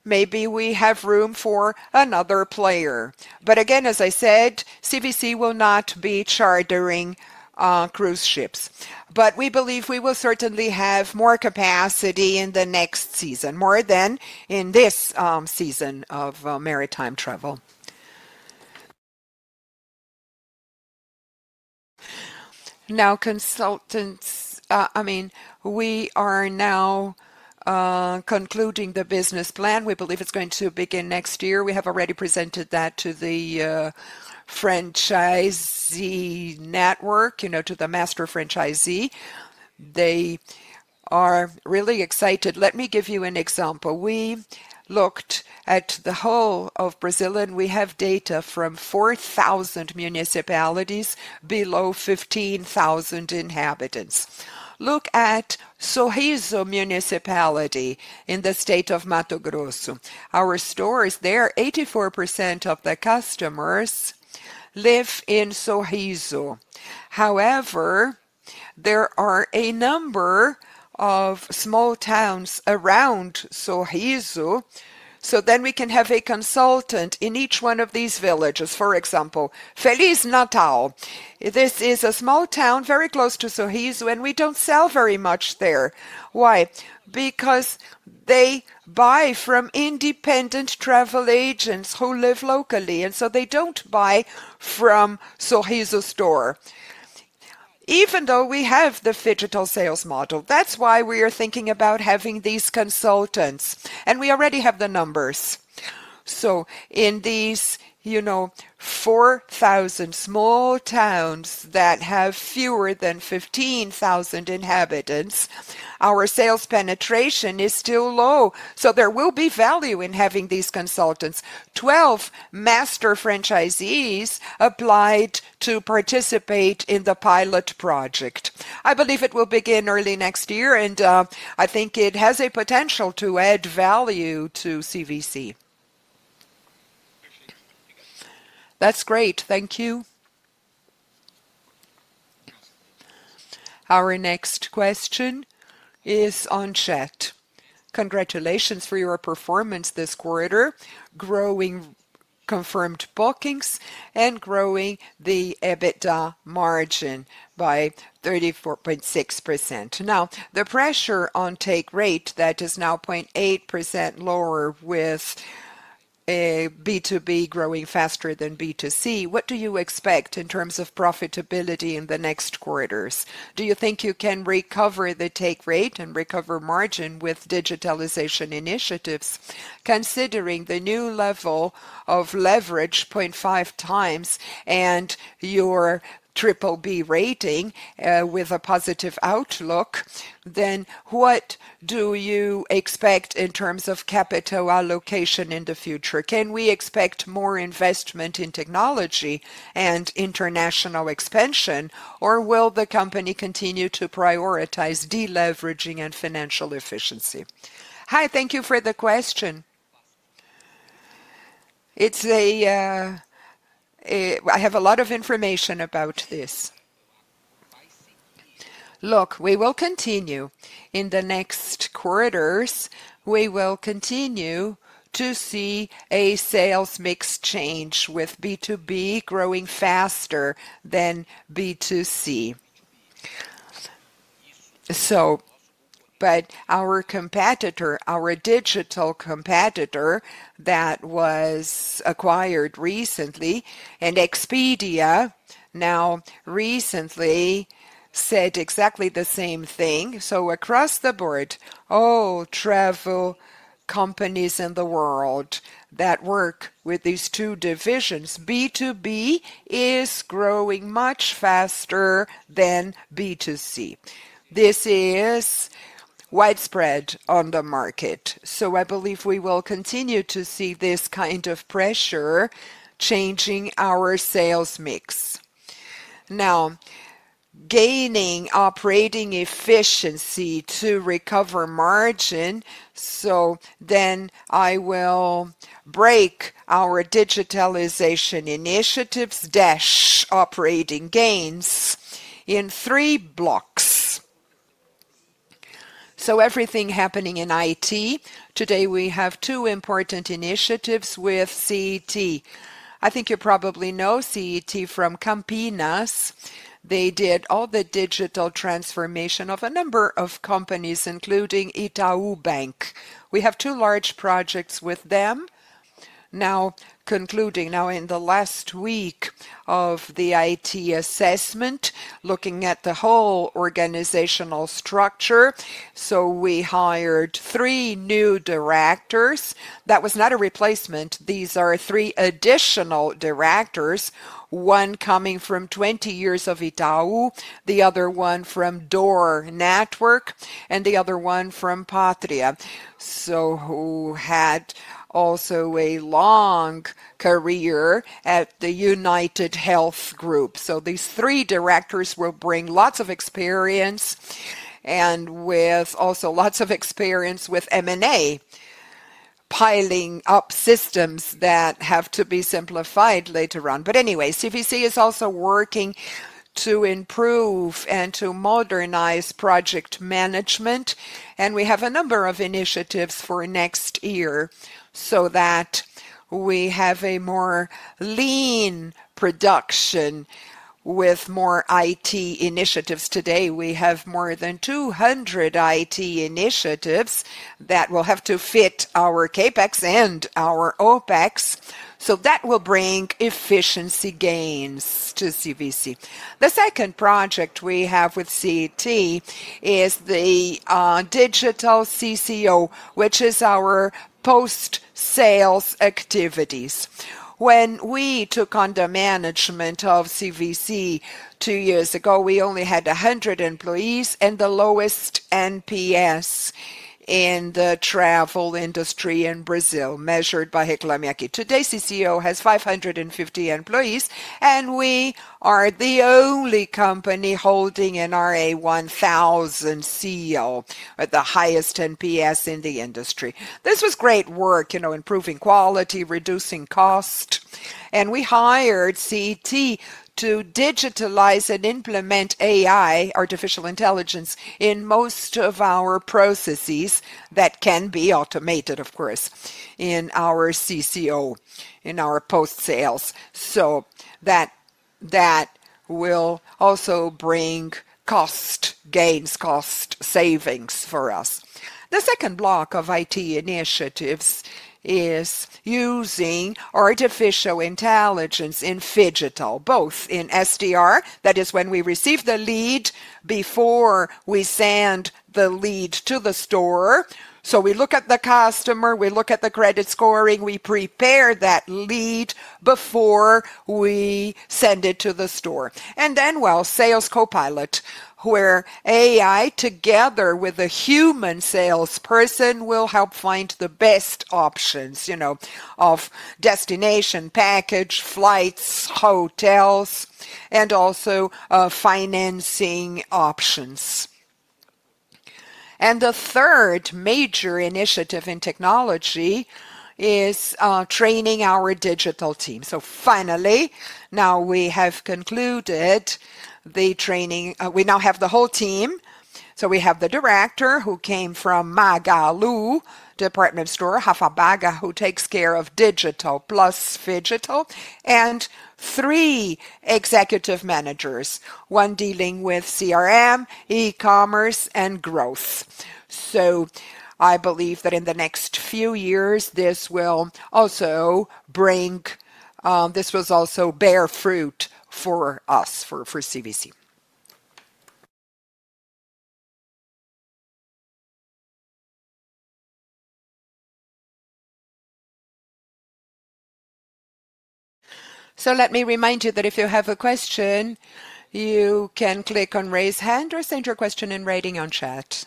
Maybe we have room for another player. Again, as I said, CVC will not be chartering cruise ships. We believe we will certainly have more capacity in the next season, more than in this season of maritime travel. Now, consultants, I mean, we are now concluding the business plan. We believe it's going to begin next year. We have already presented that to the franchisee network, you know, to the master franchisee. They are really excited. Let me give you an example. We looked at the whole of Brazil, and we have data from 4,000 municipalities below 15,000 inhabitants. Look at Sorriso municipality in the state of Mato Grosso. Our stores, they're 84% of the customers live in Sorriso. However, there are a number of small towns around Sorriso. Then we can have a consultant in each one of these villages. For example, Feliz Natal. This is a small town very close to Sorriso, and we do not sell very much there. Why? Because they buy from independent travel agents who live locally. And so they do not buy from Sorriso store. Even though we have the phygital sales model, that is why we are thinking about having these consultants. And we already have the numbers. In these, you know, 4,000 small towns that have fewer than 15,000 inhabitants, our sales penetration is still low. There will be value in having these consultants. Twelve master franchisees applied to participate in the pilot project. I believe it will begin early next year, and I think it has a potential to add value to CVC. That's great. Thank you. Our next question is on chat. Congratulations for your performance this quarter, growing confirmed bookings and growing the EBITDA margin by 34.6%. Now, the pressure on take rate that is now 0.8% lower with B2B growing faster than B2C, what do you expect in terms of profitability in the next quarters? Do you think you can recover the take rate and recover margin with digitalization initiatives? Considering the new level of leverage, 0.5 times, and your triple B rating with a positive outlook, then what do you expect in terms of capital allocation in the future? Can we expect more investment in technology and international expansion, or will the company continue to prioritize deleveraging and financial efficiency? Hi, thank you for the question. It's a, I have a lot of information about this. Look, we will continue in the next quarters. We will continue to see a sales mix change with B2B growing faster than B2C. Our competitor, our digital competitor that was acquired recently, and Expedia, now recently said exactly the same thing. Across the board, all travel companies in the world that work with these two divisions, B2B is growing much faster than B2C. This is widespread on the market. I believe we will continue to see this kind of pressure changing our sales mix. Now, gaining operating efficiency to recover margin. I will break our digitalization initiatives, operating gains, in three blocks. Everything happening in IT. Today we have two important initiatives with CI&T. I think you probably know CI&T from Campinas. They did all the digital transformation of a number of companies, including Itaú. We have two large projects with them. Now, concluding, now in the last week of the IT assessment, looking at the whole organizational structure. We hired three new directors. That was not a replacement. These are three additional directors, one coming from 20 years of Itaú, the other one from DOR Network, and the other one from Patria, who had also a long career at United Health Group. These three directors will bring lots of experience and with also lots of experience with M&A, piling up systems that have to be simplified later on. Anyway, CVC is also working to improve and to modernize project management. We have a number of initiatives for next year so that we have a more lean production with more IT initiatives. Today, we have more than 200 IT initiatives that will have to fit our CapEx and our OpEx. That will bring efficiency gains to CVC. The second project we have with CI&T is the digital CCO, which is our post-sales activities. When we took on the management of CVC two years ago, we only had 100 employees and the lowest NPS in the travel industry in Brazil, measured by Reclame Aqui. Today, CCO has 550 employees, and we are the only company holding an RA1000 seal, the highest NPS in the industry. This was great work, you know, improving quality, reducing cost. And we hired CI&T to digitalize and implement AI, artificial intelligence, in most of our processes that can be automated, of course, in our CCO, in our post-sales. That will also bring cost gains, cost savings for us. The second block of IT initiatives is using artificial intelligence in phygital, both in SDR, that is when we receive the lead before we send the lead to the store. We look at the customer, we look at the credit scoring, we prepare that lead before we send it to the store. We will have sales copilot, where AI together with a human salesperson will help find the best options, you know, of destination package, flights, hotels, and also financing options. The third major initiative in technology is training our digital team. Finally, now we have concluded the training. We now have the whole team. We have the director who came from Magalu, Department of Store, Hafa Baga, who takes care of digital plus phygital, and three executive managers, one dealing with CRM, e-commerce, and growth. I believe that in the next few years, this will also bear fruit for us, for CVC. Let me remind you that if you have a question, you can click on raise hand or send your question in writing on chat.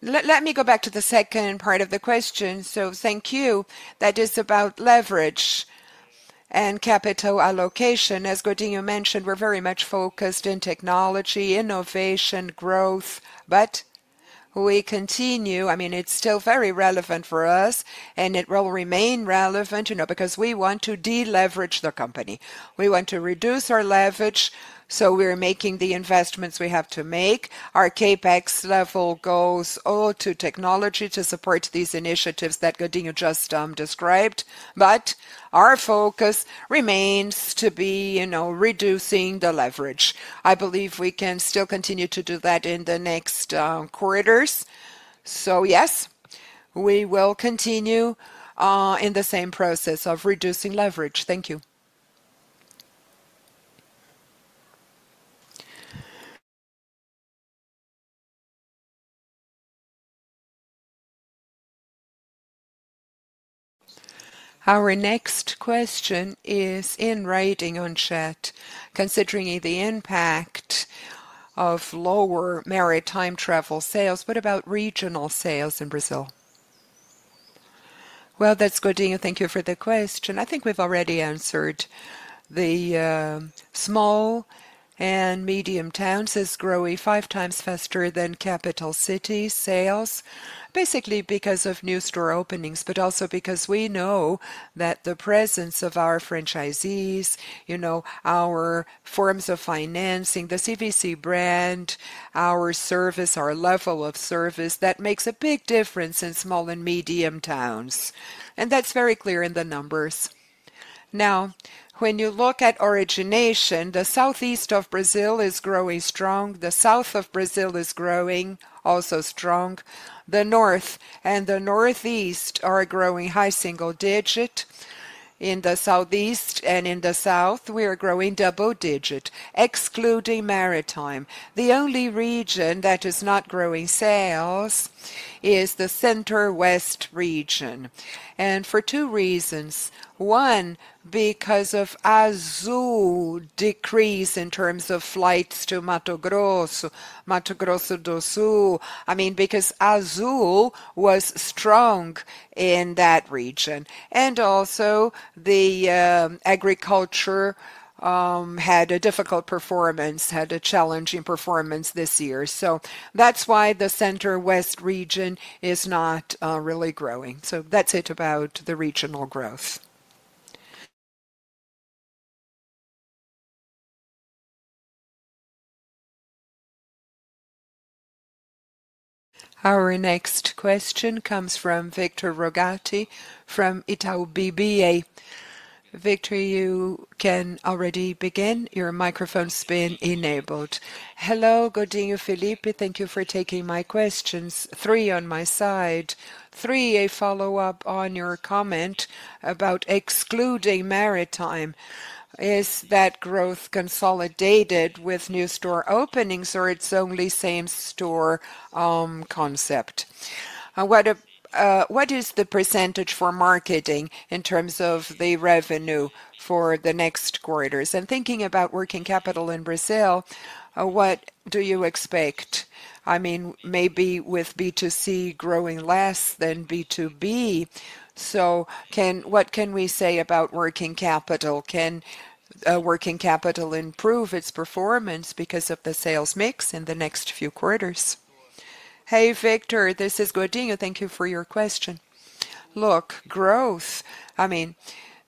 Let me go back to the second part of the question. Thank you. That is about leverage and capital allocation. As Godinho mentioned, we're very much focused in technology, innovation, growth, but we continue, I mean, it's still very relevant for us, and it will remain relevant, you know, because we want to deleverage the company. We want to reduce our leverage, so we're making the investments we have to make. Our Capex level goes all to technology to support these initiatives that Godinho just described, but our focus remains to be, you know, reducing the leverage. I believe we can still continue to do that in the next quarters. Yes, we will continue in the same process of reducing leverage. Thank you. Our next question is in writing on chat. Considering the impact of lower maritime travel sales, what about regional sales in Brazil? Godinho, thank you for the question. I think we've already answered the small and medium towns is growing five times faster than capital city sales, basically because of new store openings, but also because we know that the presence of our franchisees, you know, our forms of financing, the CVC brand, our service, our level of service, that makes a big difference in small and medium towns. That's very clear in the numbers. Now, when you look at origination, the Southeast Brazil is growing strong. The South Brazil is growing also strong. The North and the Northeast are growing high single digit. In the Southeast and in the South, we are growing double digit, excluding maritime. The only region that is not growing sales is the Center West region. For two reasons. One, because of Azul decrease in terms of flights to Mato Grosso, Mato Grosso do Sul, I mean, because Azul was strong in that region. Also, the agriculture had a difficult performance, had a challenging performance this year. That is why the center west region is not really growing. That is it about the regional growth. Our next question comes from Victor Rogati from Itaú BBA. Victor, you can already begin. Your microphone's been enabled. Hello, Godinho, Felipe. Thank you for taking my questions. Three on my side. Three, a follow-up on your comment about excluding maritime. Is that growth consolidated with new store openings, or is it only same store concept? What is the percentage for marketing in terms of the revenue for the next quarters? Thinking about working capital in Brazil, what do you expect? I mean, maybe with B2C growing less than B2B. What can we say about working capital? Can working capital improve its performance because of the sales mix in the next few quarters? Hey, Victor, this is Godinho. Thank you for your question. Look, growth, I mean,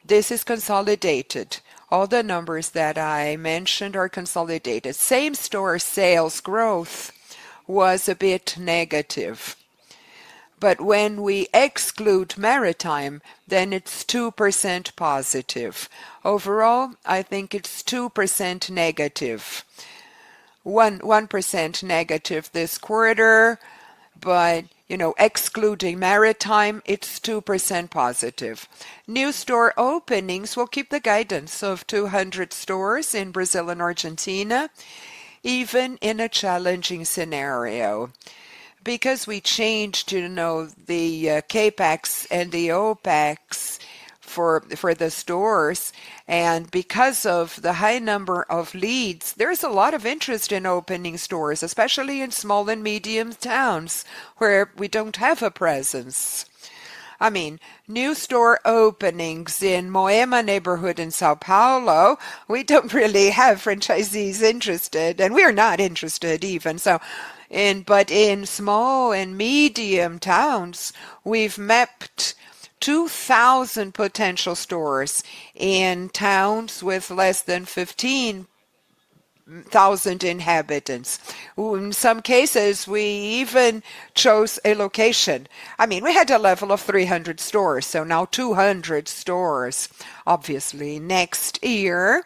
this is consolidated. All the numbers that I mentioned are consolidated. Same store sales growth was a bit negative. You know, when we exclude maritime, then it is 2% positive. Overall, I think it is 2% negative. 1% negative this quarter, but you know, excluding maritime, it is 2% positive. New store openings will keep the guidance of 200 stores in Brazil and Argentina, even in a challenging scenario. Because we changed, you know, the Capex and the OPEX for the stores, and because of the high number of leads, there is a lot of interest in opening stores, especially in small and medium towns where we do not have a presence. I mean, new store openings in Moema neighborhood in São Paulo, we do not really have franchisees interested, and we are not interested even. In small and medium towns, we have mapped 2,000 potential stores in towns with less than 15,000 inhabitants. In some cases, we even chose a location. I mean, we had a level of 300 stores, so now 200 stores. Obviously, next year,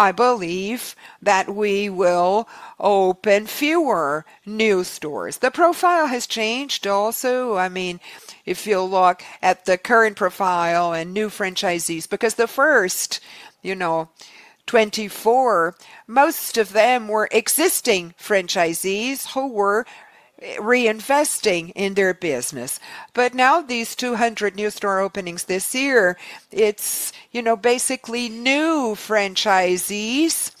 I believe that we will open fewer new stores. The profile has changed also. I mean, if you look at the current profile and new franchisees, because the first, you know, 24, most of them were existing franchisees who were reinvesting in their business. Now these 200 new store openings this year, it is, you know, basically new franchisees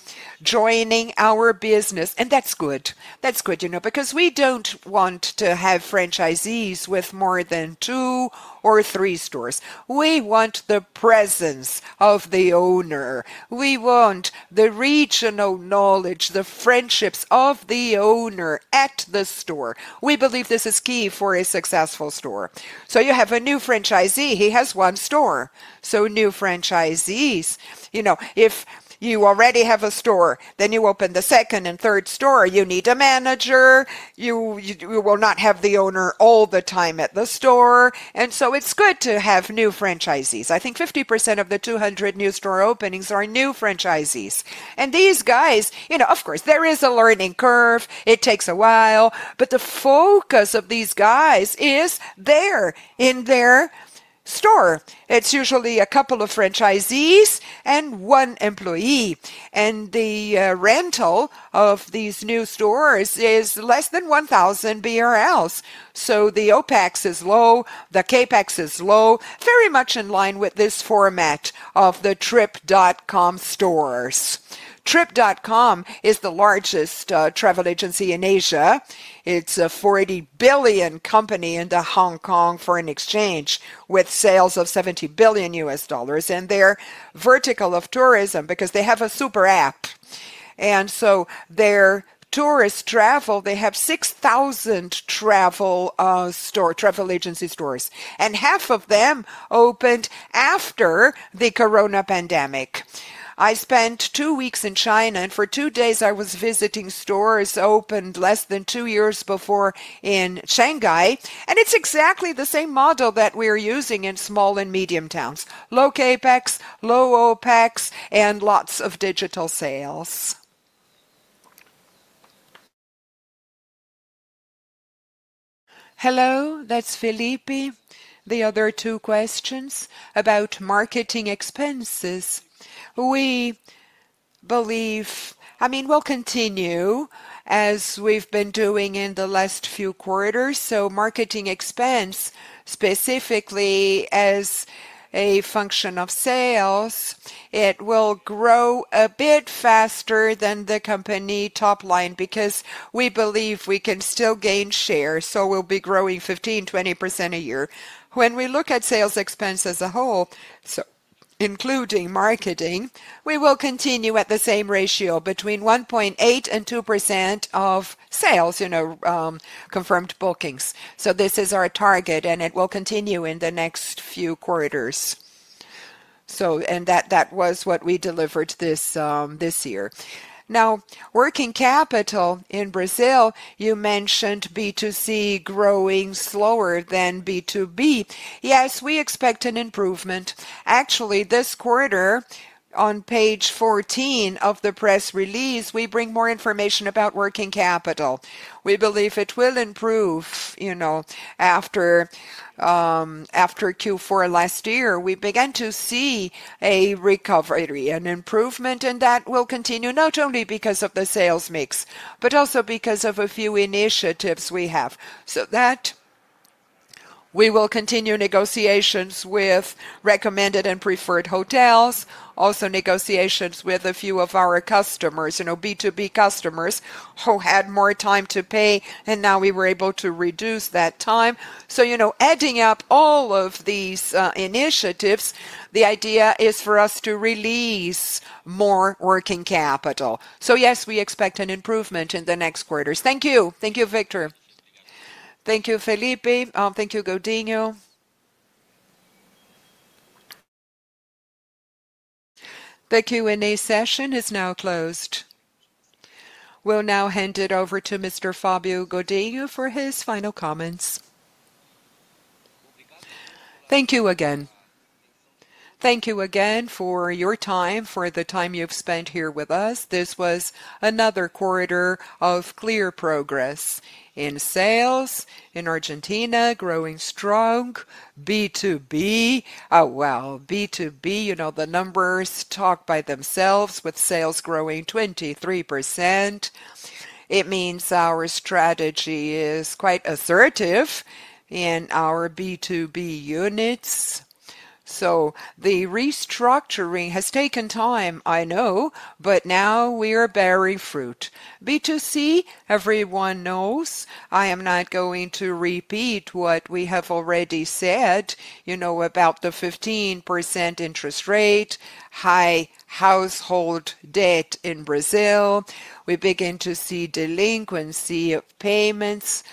joining our business. That is good. That is good, you know, because we do not want to have franchisees with more than two or three stores. We want the presence of the owner. We want the regional knowledge, the friendships of the owner at the store. We believe this is key for a successful store. You have a new franchisee, he has one store. New franchisees, you know, if you already have a store, then you open the second and third store, you need a manager. You will not have the owner all the time at the store. It is good to have new franchisees. I think 50% of the 200 new store openings are new franchisees. These guys, you know, of course, there is a learning curve. It takes a while, but the focus of these guys is there in their store. It is usually a couple of franchisees and one employee. The rental of these new stores is less than 1,000 BRL. The OPEX is low, the CapEx is low, very much in line with this format of the Trip.com stores. Trip.com is the largest travel agency in Asia. It is a $40 billion company in Hong Kong foreign exchange with sales of $70 billion. In their vertical of tourism, because they have a super app, their tourist travel, they have 6,000 travel agency stores. Half of them opened after the corona pandemic. I spent two weeks in China, and for two days I was visiting stores opened less than two years before in Shanghai. It is exactly the same model that we are using in small and medium towns. Low CapEx, low OPEX, and lots of digital sales. Hello, that is Felipe. The other two questions about marketing expenses. We believe, I mean, we will continue as we have been doing in the last few quarters. Marketing expense, specifically as a function of sales, it will grow a bit faster than the company top line because we believe we can still gain share. We will be growing 15%-20% a year. When we look at sales expense as a whole, including marketing, we will continue at the same ratio between 1.8%-2% of sales, you know, confirmed bookings. This is our target, and it will continue in the next few quarters. That was what we delivered this year. Now, working capital in Brazil, you mentioned B2C growing slower than B2B. Yes, we expect an improvement. Actually, this quarter, on page 14 of the press release, we bring more information about working capital. We believe it will improve, you know, after Q4 last year. We began to see a recovery, an improvement, and that will continue not only because of the sales mix, but also because of a few initiatives we have. That we will continue negotiations with recommended and preferred hotels, also negotiations with a few of our customers, you know, B2B customers who had more time to pay, and now we were able to reduce that time. You know, adding up all of these initiatives, the idea is for us to release more working capital. Yes, we expect an improvement in the next quarters. Thank you. Thank you, Victor. Thank you, Felipe. Thank you, Godinho. The Q&A session is now closed. We'll now hand it over to Mr. Fabio Godinho for his final comments. Thank you again. Thank you again for your time, for the time you've spent here with us. This was another quarter of clear progress in sales in Argentina, growing strong, B2B. Oh, well, B2B, you know, the numbers talk by themselves with sales growing 23%. It means our strategy is quite assertive in our B2B units. So the restructuring has taken time, I know, but now we are bearing fruit. B2C, everyone knows. I am not going to repeat what we have already said, you know, about the 15% interest rate, high household debt in Brazil. We begin to see delinquency of payments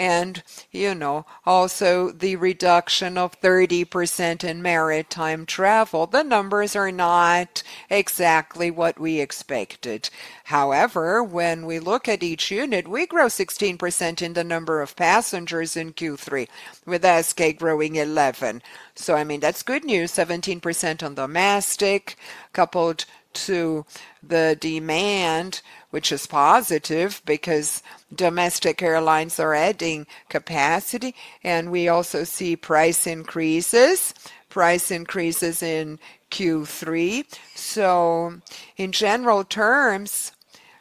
and, you know, also the reduction of 30% in maritime travel. The numbers are not exactly what we expected. However, when we look at each unit, we grow 16% in the number of passengers in Q3, with SK growing 11. I mean, that's good news. 17% on domestic, coupled to the demand, which is positive because domestic airlines are adding capacity, and we also see price increases, price increases in Q3. In general terms,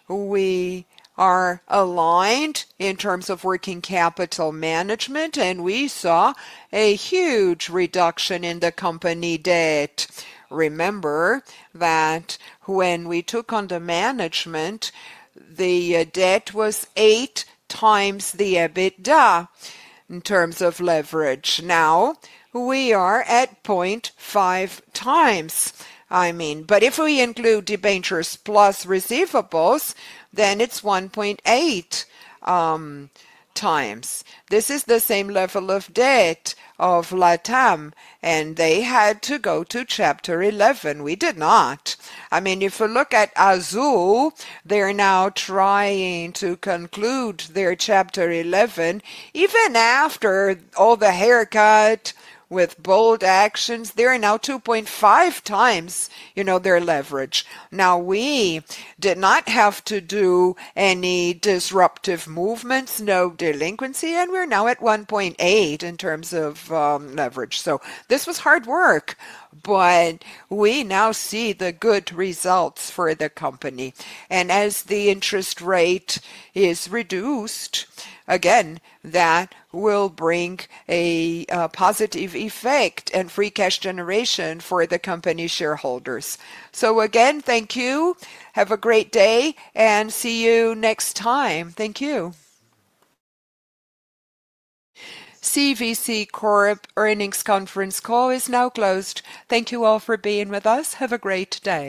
we are aligned in terms of working capital management, and we saw a huge reduction in the company debt. Remember that when we took on the management, the debt was eight times the EBITDA in terms of leverage. Now we are at 0.5 times, I mean, but if we include debentures plus receivables, then it's 1.8 times. This is the same level of debt of LATAM, and they had to go to Chapter 11. We did not. I mean, if you look at Azul, they're now trying to conclude their Chapter 11. Even after all the haircut with bold actions, they're now 2.5 times, you know, their leverage. Now we did not have to do any disruptive movements, no delinquency, and we're now at 1.8 in terms of leverage. This was hard work, but we now see the good results for the company. As the interest rate is reduced, again, that will bring a positive effect and free cash generation for the company shareholders. Again, thank you. Have a great day and see you next time. Thank you. CVC Earnings Conference Call is now closed. Thank you all for being with us. Have a great day.